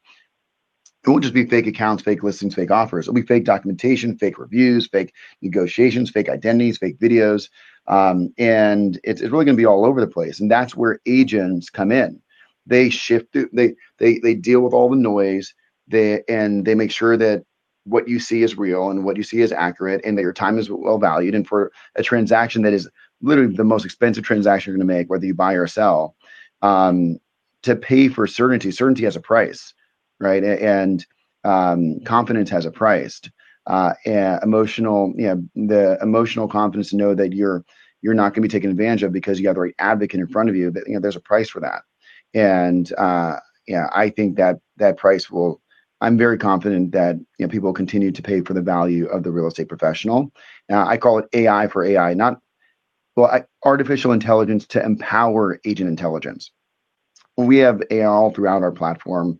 C: won't just be fake accounts, fake listings, fake offers. It'll be fake documentation, fake reviews, fake negotiations, fake identities, fake videos, and it's really gonna be all over the place, and that's where agents come in. They shift they deal with all the noise, and they make sure that what you see is real, and what you see is accurate, and that your time is well valued. For a transaction that is literally the most expensive transaction you're gonna make, whether you buy or sell, to pay for certainty has a price, right? Confidence has a price. Emotional, you know, the emotional confidence to know that you're not gonna be taken advantage of because you have a great advocate in front of you, but, you know, there's a price for that. Yeah, I think that I'm very confident that, you know, people will continue to pay for the value of the real estate professional. Now, I call it AI for AI, Artificial Intelligence to empower Agent Intelligence. We have AI all throughout our platform,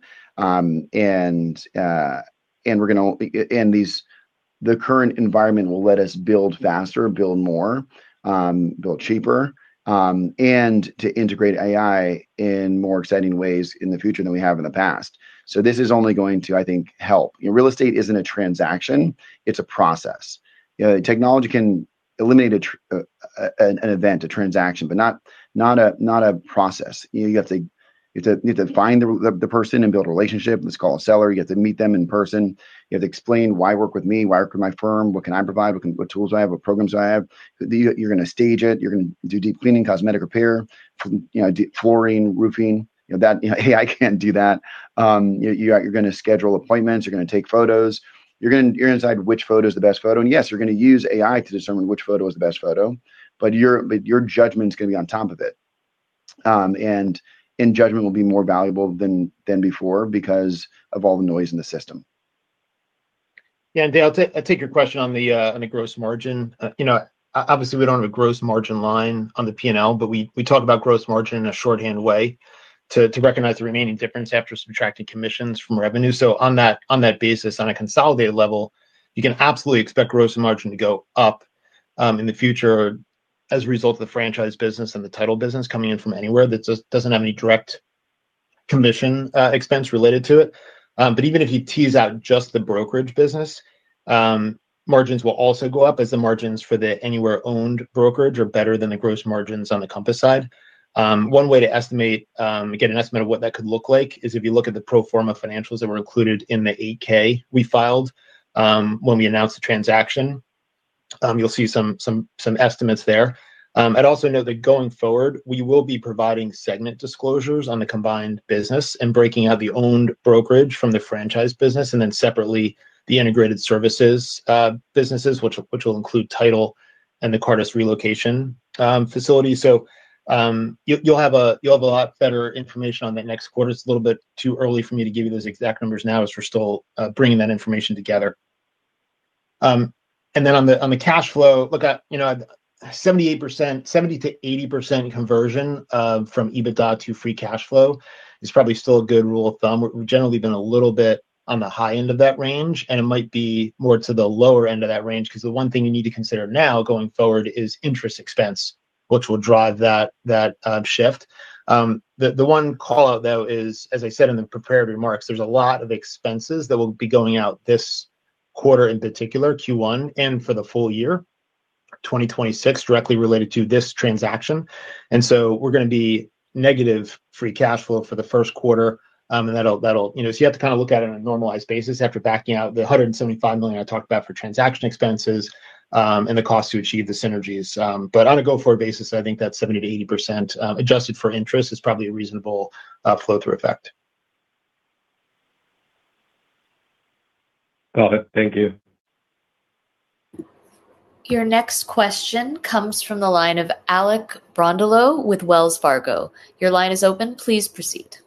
C: the current environment will let us build faster, build more, build cheaper, and to integrate AI in more exciting ways in the future than we have in the past. This is only going to, I think, help. You know, real estate isn't a transaction, it's a process. You know, technology can eliminate an event, a transaction, but not a process. You know, you have to find the person and build a relationship. Let's call a seller. You have to meet them in person. You have to explain, "Why work with me? Why work with my firm? What can I provide? What tools I have, what programs do I have?" You, you're gonna stage it. You're gonna do deep cleaning, cosmetic repair, you know, do flooring, roofing. You know, that, "Hey, I can't do that." You, you're gonna schedule appointments, you're gonna take photos. You're gonna decide which photo is the best photo. Yes, you're gonna use AI to determine which photo is the best photo, but your judgment's gonna be on top of it. And judgment will be more valuable than before because of all the noise in the system.
D: Yeah, Dae, I'll take your question on the gross margin. You know, obviously, we don't have a gross margin line on the P&L, but we talk about gross margin in a shorthand way to recognize the remaining difference after subtracting commissions from revenue. On that basis, on a consolidated level, you can absolutely expect gross margin to go up in the future as a result of the franchise business and the title business coming in from Anywhere that just doesn't have any direct commission expense related to it. Even if you tease out just the brokerage business, margins will also go up as the margins for the Anywhere owned brokerage are better than the gross margins on the Compass side. One way to estimate, get an estimate of what that could look like, is if you look at the pro forma financials that were included in the 8-K we filed, when we announced the transaction. You'll see some estimates there. I'd also note that going forward, we will be providing segment disclosures on the combined business and breaking out the owned brokerage from the franchise business, and then separately, the integrated services, businesses, which will include title and the Cartus relocation, facility. You'll have a lot better information on that next quarter. It's a little bit too early for me to give you those exact numbers now, as we're still bringing that information together. And then on the, on the cash flow, look at, you know, 78%, 70%-80% conversion from EBITDA to free cash flow is probably still a good rule of thumb. We've generally been a little bit on the high end of that range, and it might be more to the lower end of that range, because the one thing you need to consider now going forward is interest expense, which will drive that shift. The, the one call-out, though, is, as I said in the prepared remarks, there's a lot of expenses that will be going out this quarter, in particular, Q1, and for the full year 2026, directly related to this transaction. We're gonna be negative free cash flow for the first quarter, and that'll. You know, you have to kind of look at it on a normalized basis after backing out the $175 million I talked about for transaction expenses and the cost to achieve the synergies. But on a go-forward basis, I think that 70%-80%, adjusted for interest, is probably a reasonable flow-through effect.
F: Got it. Thank you.
A: Your next question comes from the line of Alec Brondolo with Wells Fargo. Your line is open. Please proceed.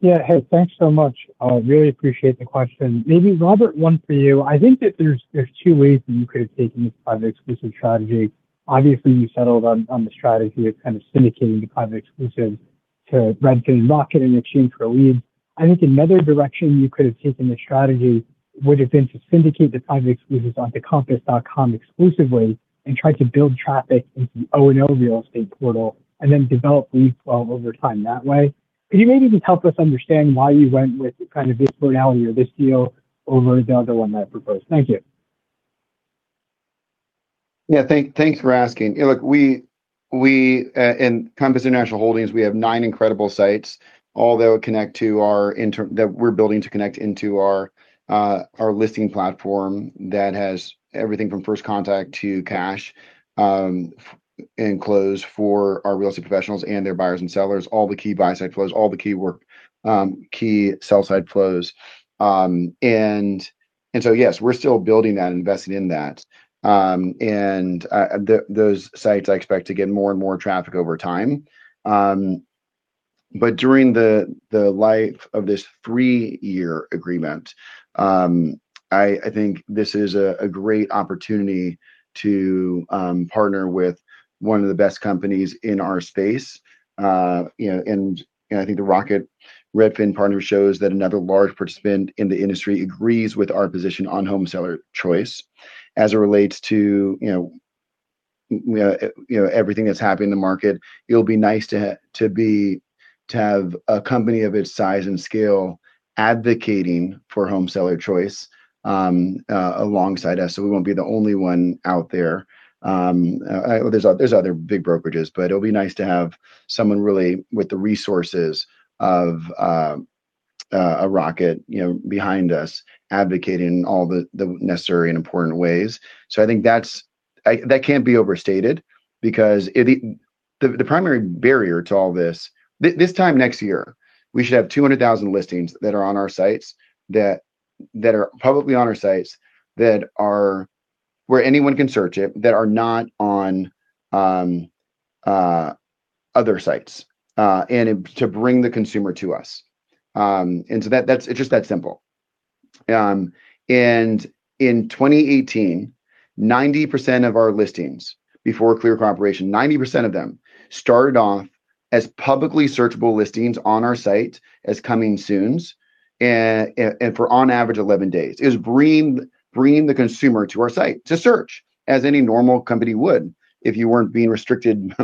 G: Hey, thanks so much. I really appreciate the question. Maybe, Robert, one for you. I think that there's two ways that you could have taken this Private Exclusive strategy. Obviously, you settled on the strategy of kind of syndicating the Private Exclusive to Redfin and Rocket in exchange for a lead. I think another direction you could have taken the strategy would have been to syndicate the Private Exclusives onto Compass.com exclusively and try to build traffic into the [own] real estate portal and then develop lead flow over time that way. Could you maybe just help us understand why you went with kind of this modality or this deal over the other one that I proposed? Thank you.
C: Thanks for asking. Look, we in Compass International Holdings have nine incredible sites, all that would connect to our that we're building to connect into our listing platform that has everything from first contact to cash and close for our real estate professionals and their buyers and sellers, all the key buy-side flows, all the key sell-side flows. So yes, we're still building that, investing in that. Those sites I expect to get more and more traffic over time. During the life of this three-year agreement, I think this is a great opportunity to partner with one of the best companies in our space. You know, I think the Rocket Redfin partner shows that another large participant in the industry agrees with our position on home seller choice as it relates to, you know, you know, you know everything that's happening in the market. It'll be nice to have a company of its size and scale advocating for home seller choice alongside us, so we won't be the only one out there. There's other big brokerages, but it'll be nice to have someone really with the resources of a Rocket, you know, behind us advocating all the necessary and important ways. I think that's. That can't be overstated because it, the primary barrier to all this... This time next year, we should have 200,000 listings that are on our sites, that are publicly on our sites, that are where anyone can search it, that are not on other sites, to bring the consumer to us. That's. It's just that simple. In 2018, 90% of our listings before Clear Cooperation, 90% of them started off as publicly searchable listings on our site as Coming Soons, and for on average 11 days. It was bringing the consumer to our site to search as any normal company would if you weren't being restricted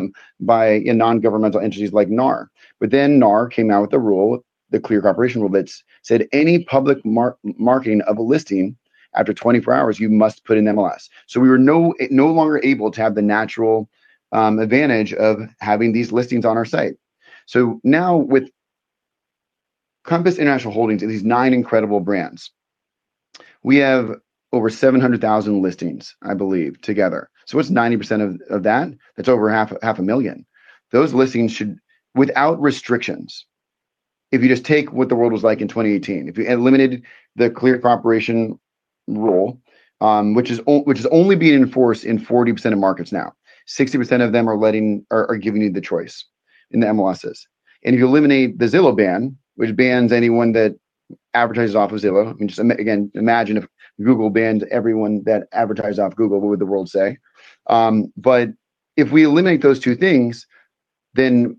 C: by a nongovernmental entities like NAR. NAR came out with a rule, the Clear Cooperation rule, that said any public marketing of a listing, after 24 hours, you must put in MLS. We were no longer able to have the natural advantage of having these listings on our site. Now with Compass International Holdings and these nine incredible brands, we have over 700,000 listings, I believe, together. What's 90% of that? That's over half a million. Those listings should, without restrictions, if you just take what the world was like in 2018. If you eliminated the Clear Cooperation rule, which is only being enforced in 40% of markets now. 60% of them are giving you the choice in the MLSs. If you eliminate the Zillow ban, which bans anyone that advertises off of Zillow. I mean, just again, imagine if Google banned everyone that advertised off Google, what would the world say? But if we eliminate those two things, then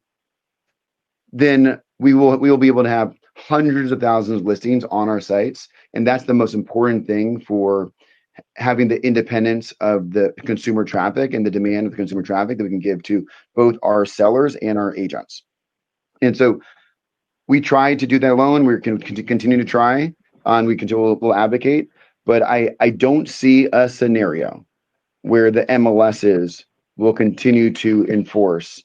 C: we will be able to have hundreds of thousands of listings on our sites, and that's the most important thing for having the independence of the consumer traffic and the demand of consumer traffic that we can give to both our sellers and our agents. We try to do that alone. We continue to try, and we will advocate, but I don't see a scenario where the MLSs will continue to enforce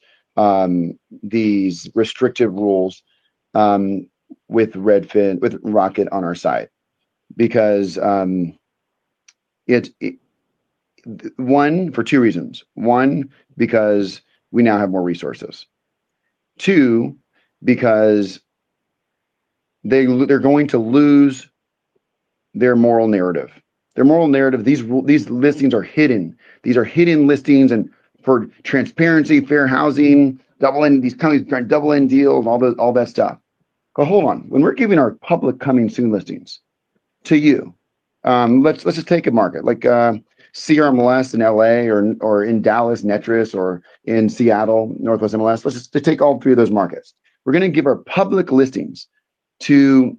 C: these restrictive rules with Redfin with Rocket on our side. Because, it... One, for two reasons. One, because we now have more resources. Two, because they're going to lose their moral narrative. Their moral narrative, these listings are hidden. These are hidden listings for transparency, fair housing, double-ended, these companies are trying double-ended deals, all that stuff. Hold on. When we're giving our public Coming Soon listings to you, let's just take a market like CRMLS in L.A. or in Dallas, NTREIS, or in Seattle, Northwest MLS. Let's just take all three of those markets. We're gonna give our public listings to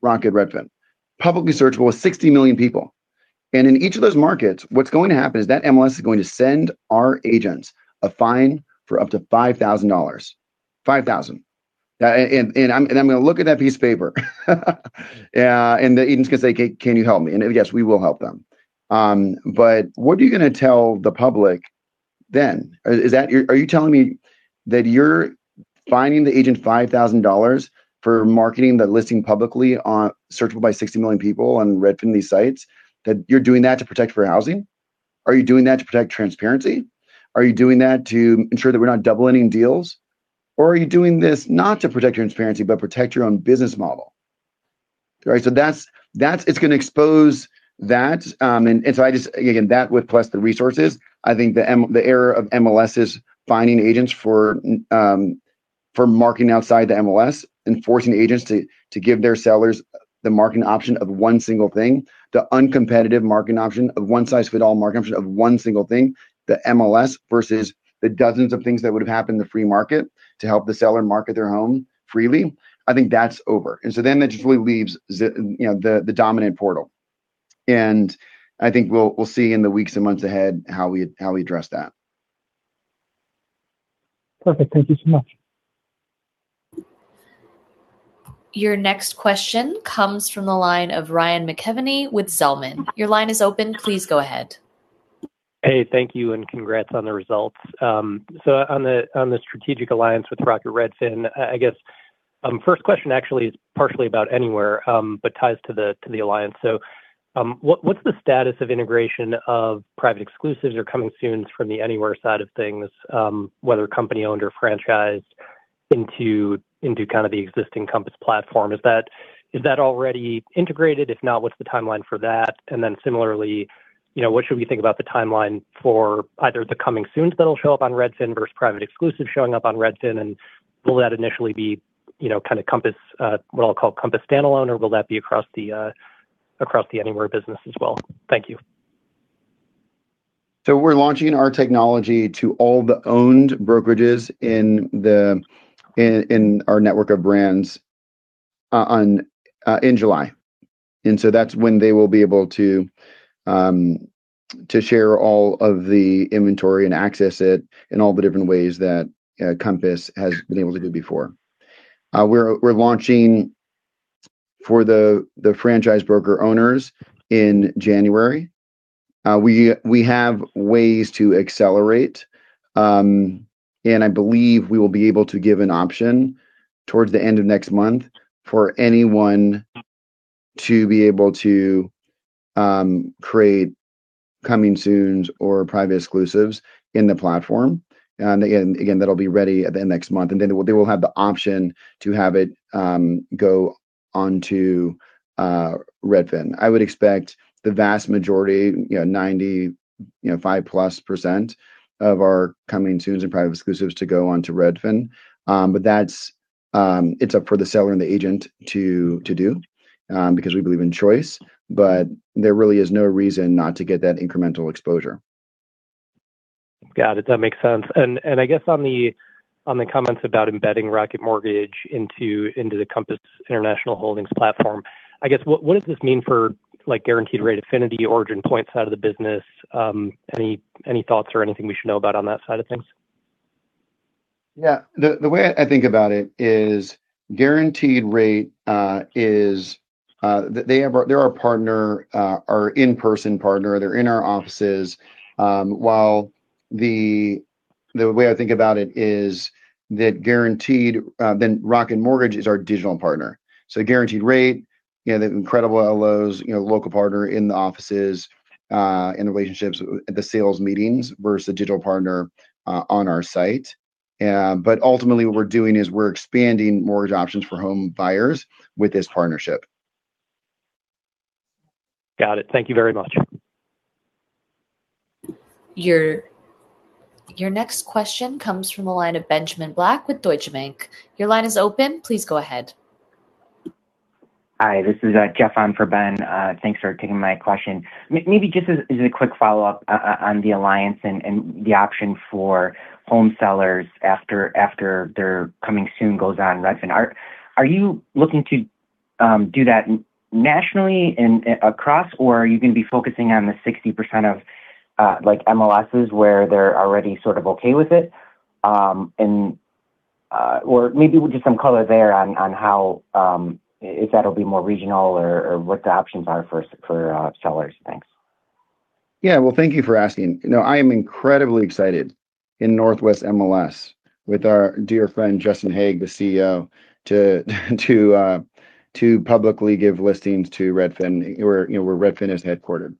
C: Rocket Redfin, publicly searchable with 60 million people. In each of those markets, what's going to happen is that MLS is going to send our agents a fine for up to $5,000. $5,000. I'm gonna look at that piece of paper yeah, and the agent's gonna say, "Can you help me?" Yes, we will help them. What are you gonna tell the public then? Is that... Are you telling me that you're fining the agent $5,000 for marketing that listing publicly on searchable by 60 million people on Redfin, these sites, that you're doing that to protect fair housing? Are you doing that to protect transparency? Are you doing that to ensure that we're not double ending deals? Are you doing this not to protect transparency, but protect your own business model? Right? That's, it's gonna expose that. I just, again, that with plus the resources, I think the era of MLSs fining agents for marketing outside the MLS and forcing agents to give their sellers the marketing option of one single thing, the uncompetitive marketing option of one-size-fits-all market option of one single thing, the MLS, versus the dozens of things that would have happened in the free market to help the seller market their home freely, I think that's over. That just really leaves you know, the dominant portal. I think we'll see in the weeks and months ahead how we address that.
G: Perfect. Thank you so much.
A: Your next question comes from the line of Ryan McKeveny with Zelman. Your line is open. Please go ahead.
H: Hey, thank you, congrats on the results. On the strategic alliance with Rocket Redfin, I guess, first question actually is partially about Anywhere, but ties to the alliance. What's the status of integration of Private Exclusives or Coming Soons from the Anywhere side of things, whether company-owned or franchised into kind of the existing Compass platform? Is that already integrated? If not, what's the timeline for that? Similarly, you know, what should we think about the timeline for either the Coming Soons that'll show up on Redfin versus Private Exclusives showing up on Redfin, and will that initially be, you know, kind of Compass, what I'll call Compass standalone, or will that be across the Anywhere business as well? Thank you.
C: We're launching our technology to all the owned brokerages in our network of brands in July, that's when they will be able to share all of the inventory and access it in all the different ways that Compass has been able to do before. We're launching for the franchise broker owners in January. We have ways to accelerate, and I believe we will be able to give an option towards the end of next month for anyone to be able to create Coming Soons or Private Exclusives in the platform. Again, that'll be ready at the end of next month, then they will have the option to have it go onto Redfin. I would expect the vast majority, you know, 90, you know, 5%+ of our Coming Soon and Private Exclusive to go onto Redfin. That's, it's up for the seller and the agent to do, because we believe in choice. There really is no reason not to get that incremental exposure.
H: Got it. That makes sense. I guess on the comments about embedding Rocket Mortgage into the Compass International Holdings platform, I guess what does this mean for like Guaranteed Rate Affinity, OriginPoint side of the business? Any thoughts or anything we should know about on that side of things?
C: The way I think about it is Guaranteed Rate is they're our partner, our in-person partner. They're in our offices. While the way I think about it is that Guaranteed, Rocket Mortgage is our digital partner. Guaranteed Rate, you know, the incredible LOs, you know, local partner in the offices, and the relationships at the sales meetings versus the digital partner on our site. Ultimately what we're doing is we're expanding mortgage options for home buyers with this partnership.
H: Got it. Thank you very much.
A: Your next question comes from the line of Benjamin Black with Deutsche Bank. Your line is open. Please go ahead.
I: Hi, this is Jeff on for Ben. Thanks for taking my question. Maybe just as a quick follow-up on the alliance and the option for home sellers after their Coming Soon goes on Redfin. Are you looking to do that nationally and across, or are you gonna be focusing on the 60% of like MLSs where they're already sort of okay with it? Or maybe with just some color there on how if that'll be more regional or what the options are for sellers. Thanks.
C: Yeah. Well, thank you for asking. No, I am incredibly excited in Northwest MLS with our dear friend, Justin Haag, the CEO, to publicly give listings to Redfin where, you know, where Redfin is headquartered.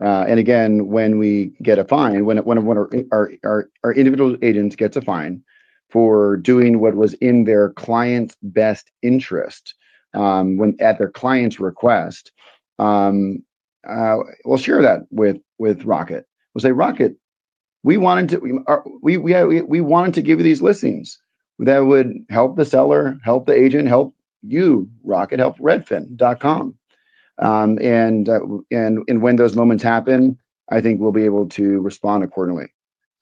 C: Again, when we get a fine, when one of our individual agents gets a fine for doing what was in their client's best interest, when at their client's request, we'll share that with Rocket. We'll say, "Rocket, we wanted to give you these listings that would help the seller, help the agent, help you, Rocket, help redfin.com." When those moments happen, I think we'll be able to respond accordingly.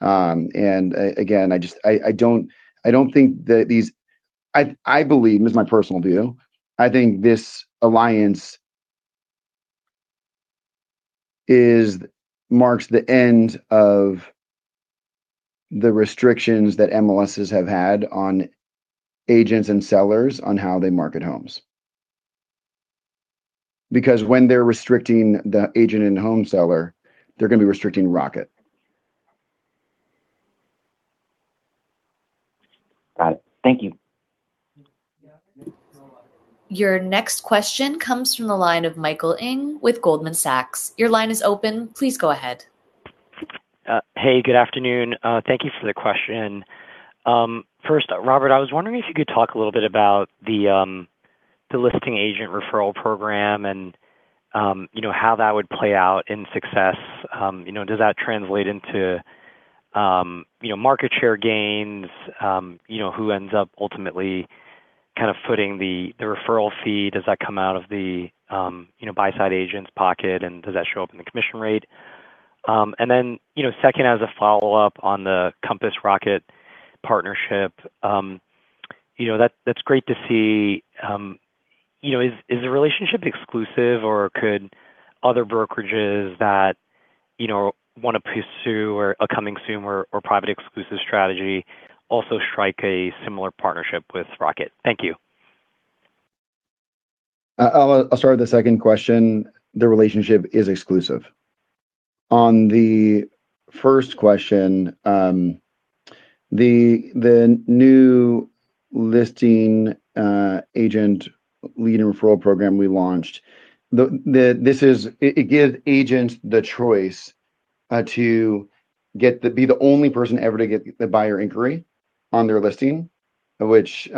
C: Again, I just, I don't think that these... I believe, this is my personal view, I think this alliance is marks the end of the restrictions that MLSs have had on agents and sellers on how they market homes. When they're restricting the agent and home seller, they're gonna be restricting Rocket.
I: Got it. Thank you.
A: Your next question comes from the line of Michael Ng with Goldman Sachs. Your line is open. Please go ahead.
J: Hey, good afternoon. Thank you for the question. First, Robert, I was wondering if you could talk a little bit about the listing agent referral program and, you know, how that would play out in success. You know, does that translate into, you know, market share gains? You know, who ends up ultimately kind of footing the referral fee? Does that come out of the, you know, buy-side agent's pocket and does that show up in the commission rate? You know, second, as a follow-up on the Compass Rocket partnership, you know, that's great to see. You know, is the relationship exclusive or could other brokerages that, you know, wanna pursue or are Coming Soon or Private Exclusive strategy also strike a similar partnership with Rocket? Thank you.
C: I'll start with the second question. The relationship is exclusive. On the first question, the new listing agent lead and referral program we launched. It gives agents the choice to be the only person ever to get the buyer inquiry on their listing, which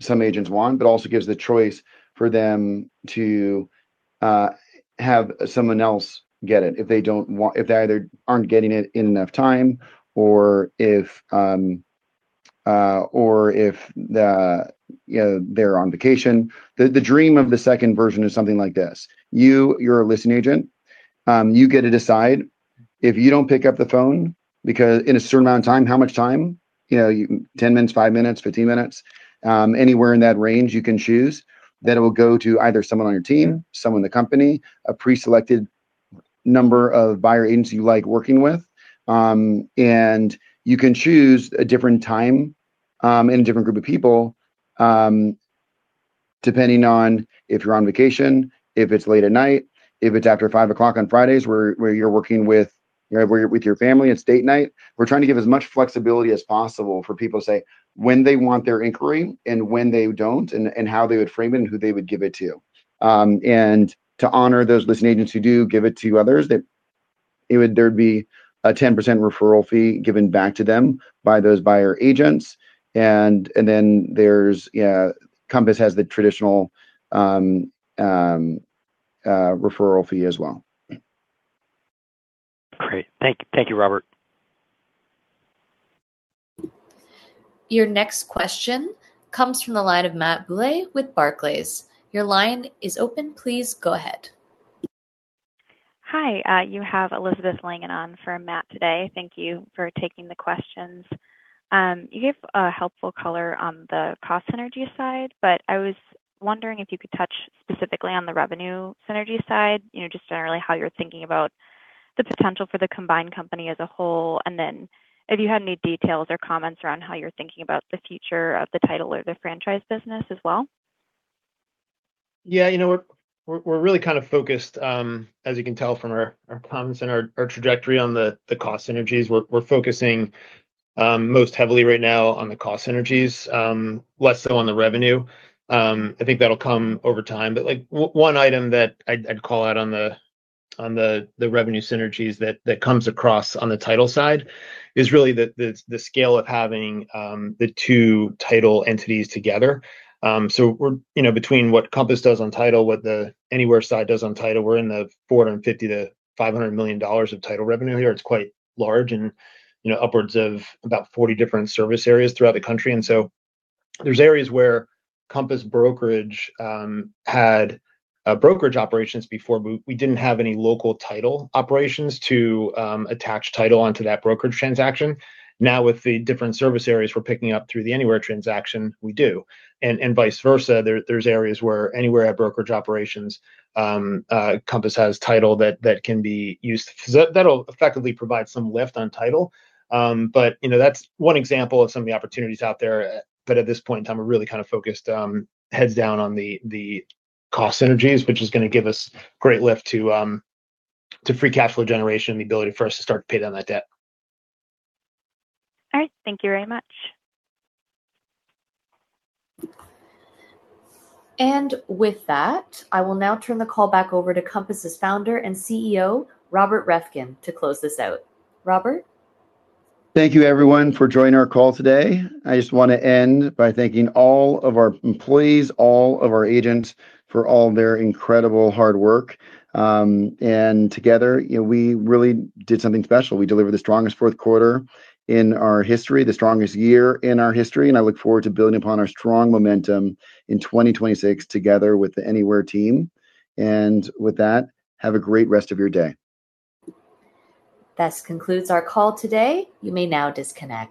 C: some agents want. Also gives the choice for them to have someone else get it if they either aren't getting it in enough time or if the, you know, they're on vacation. The dream of the second version is something like this. You're a listing agent. You get to decide if you don't pick up the phone because in a certain amount of time, how much time, you know, you... 10 minutes, five minutes, 15 minutes, anywhere in that range you can choose, then it will go to either someone on your team, someone in the company, a pre-selected number of buyer agents you like working with. You can choose a different time, and a different group of people, depending on if you're on vacation, if it's late at night, if it's after 5 o'clock on Fridays where you're working with, you know, with your family, it's date night. We're trying to give as much flexibility as possible for people to say when they want their inquiry and when they don't and how they would frame it and who they would give it to. To honor those listing agents who do give it to others, that it would... there'd be a 10% referral fee given back to them by those buyer agents. There's, yeah, Compass has the traditional referral fee as well.
J: Great. Thank you, Robert.
A: Your next question comes from the line of Matt Bouley with Barclays. Your line is open. Please go ahead.
K: Hi, you have Elizabeth Langan on for Matt today. Thank you for taking the questions. You gave a helpful color on the cost synergy side, but I was wondering if you could touch specifically on the revenue synergy side, you know, just generally how you're thinking about the potential for the combined company as a whole, and then if you had any details or comments around how you're thinking about the future of the title or the franchise business as well.
D: Yeah, you know, we're really kind of focused, as you can tell from our comments and our trajectory on the cost synergies. We're focusing most heavily right now on the cost synergies, less so on the revenue. I think that'll come over time. Like, one item that I'd call out on the revenue synergies that comes across on the title side is really the scale of having the two title entities together. You know, between what Compass does on title, what the Anywhere side does on title, we're in the $450 million-$500 million of title revenue here. It's quite large and, you know, upwards of about 40 different service areas throughout the country. There's areas where Compass brokerage operations before, but we didn't have any local title operations to attach title onto that brokerage transaction. Now, with the different service areas we're picking up through the Anywhere transaction, we do. Vice versa, there's areas where Anywhere have brokerage operations, Compass has title that can be used. That, that'll effectively provide some lift on title. You know, that's one example of some of the opportunities out there, but at this point in time, we're really kind of focused heads down on the cost synergies, which is gonna give us great lift to free cash flow generation and the ability for us to start to pay down that debt.
K: All right. Thank you very much.
A: With that, I will now turn the call back over to Compass's Founder and CEO, Robert Reffkin, to close this out. Robert?
C: Thank you everyone for joining our call today. I just wanna end by thanking all of our employees, all of our agents for all their incredible hard work. Together, you know, we really did something special. We delivered the strongest fourth quarter in our history, the strongest year in our history, and I look forward to building upon our strong momentum in 2026 together with the Anywhere team. With that, have a great rest of your day.
A: This concludes our call today. You may now disconnect.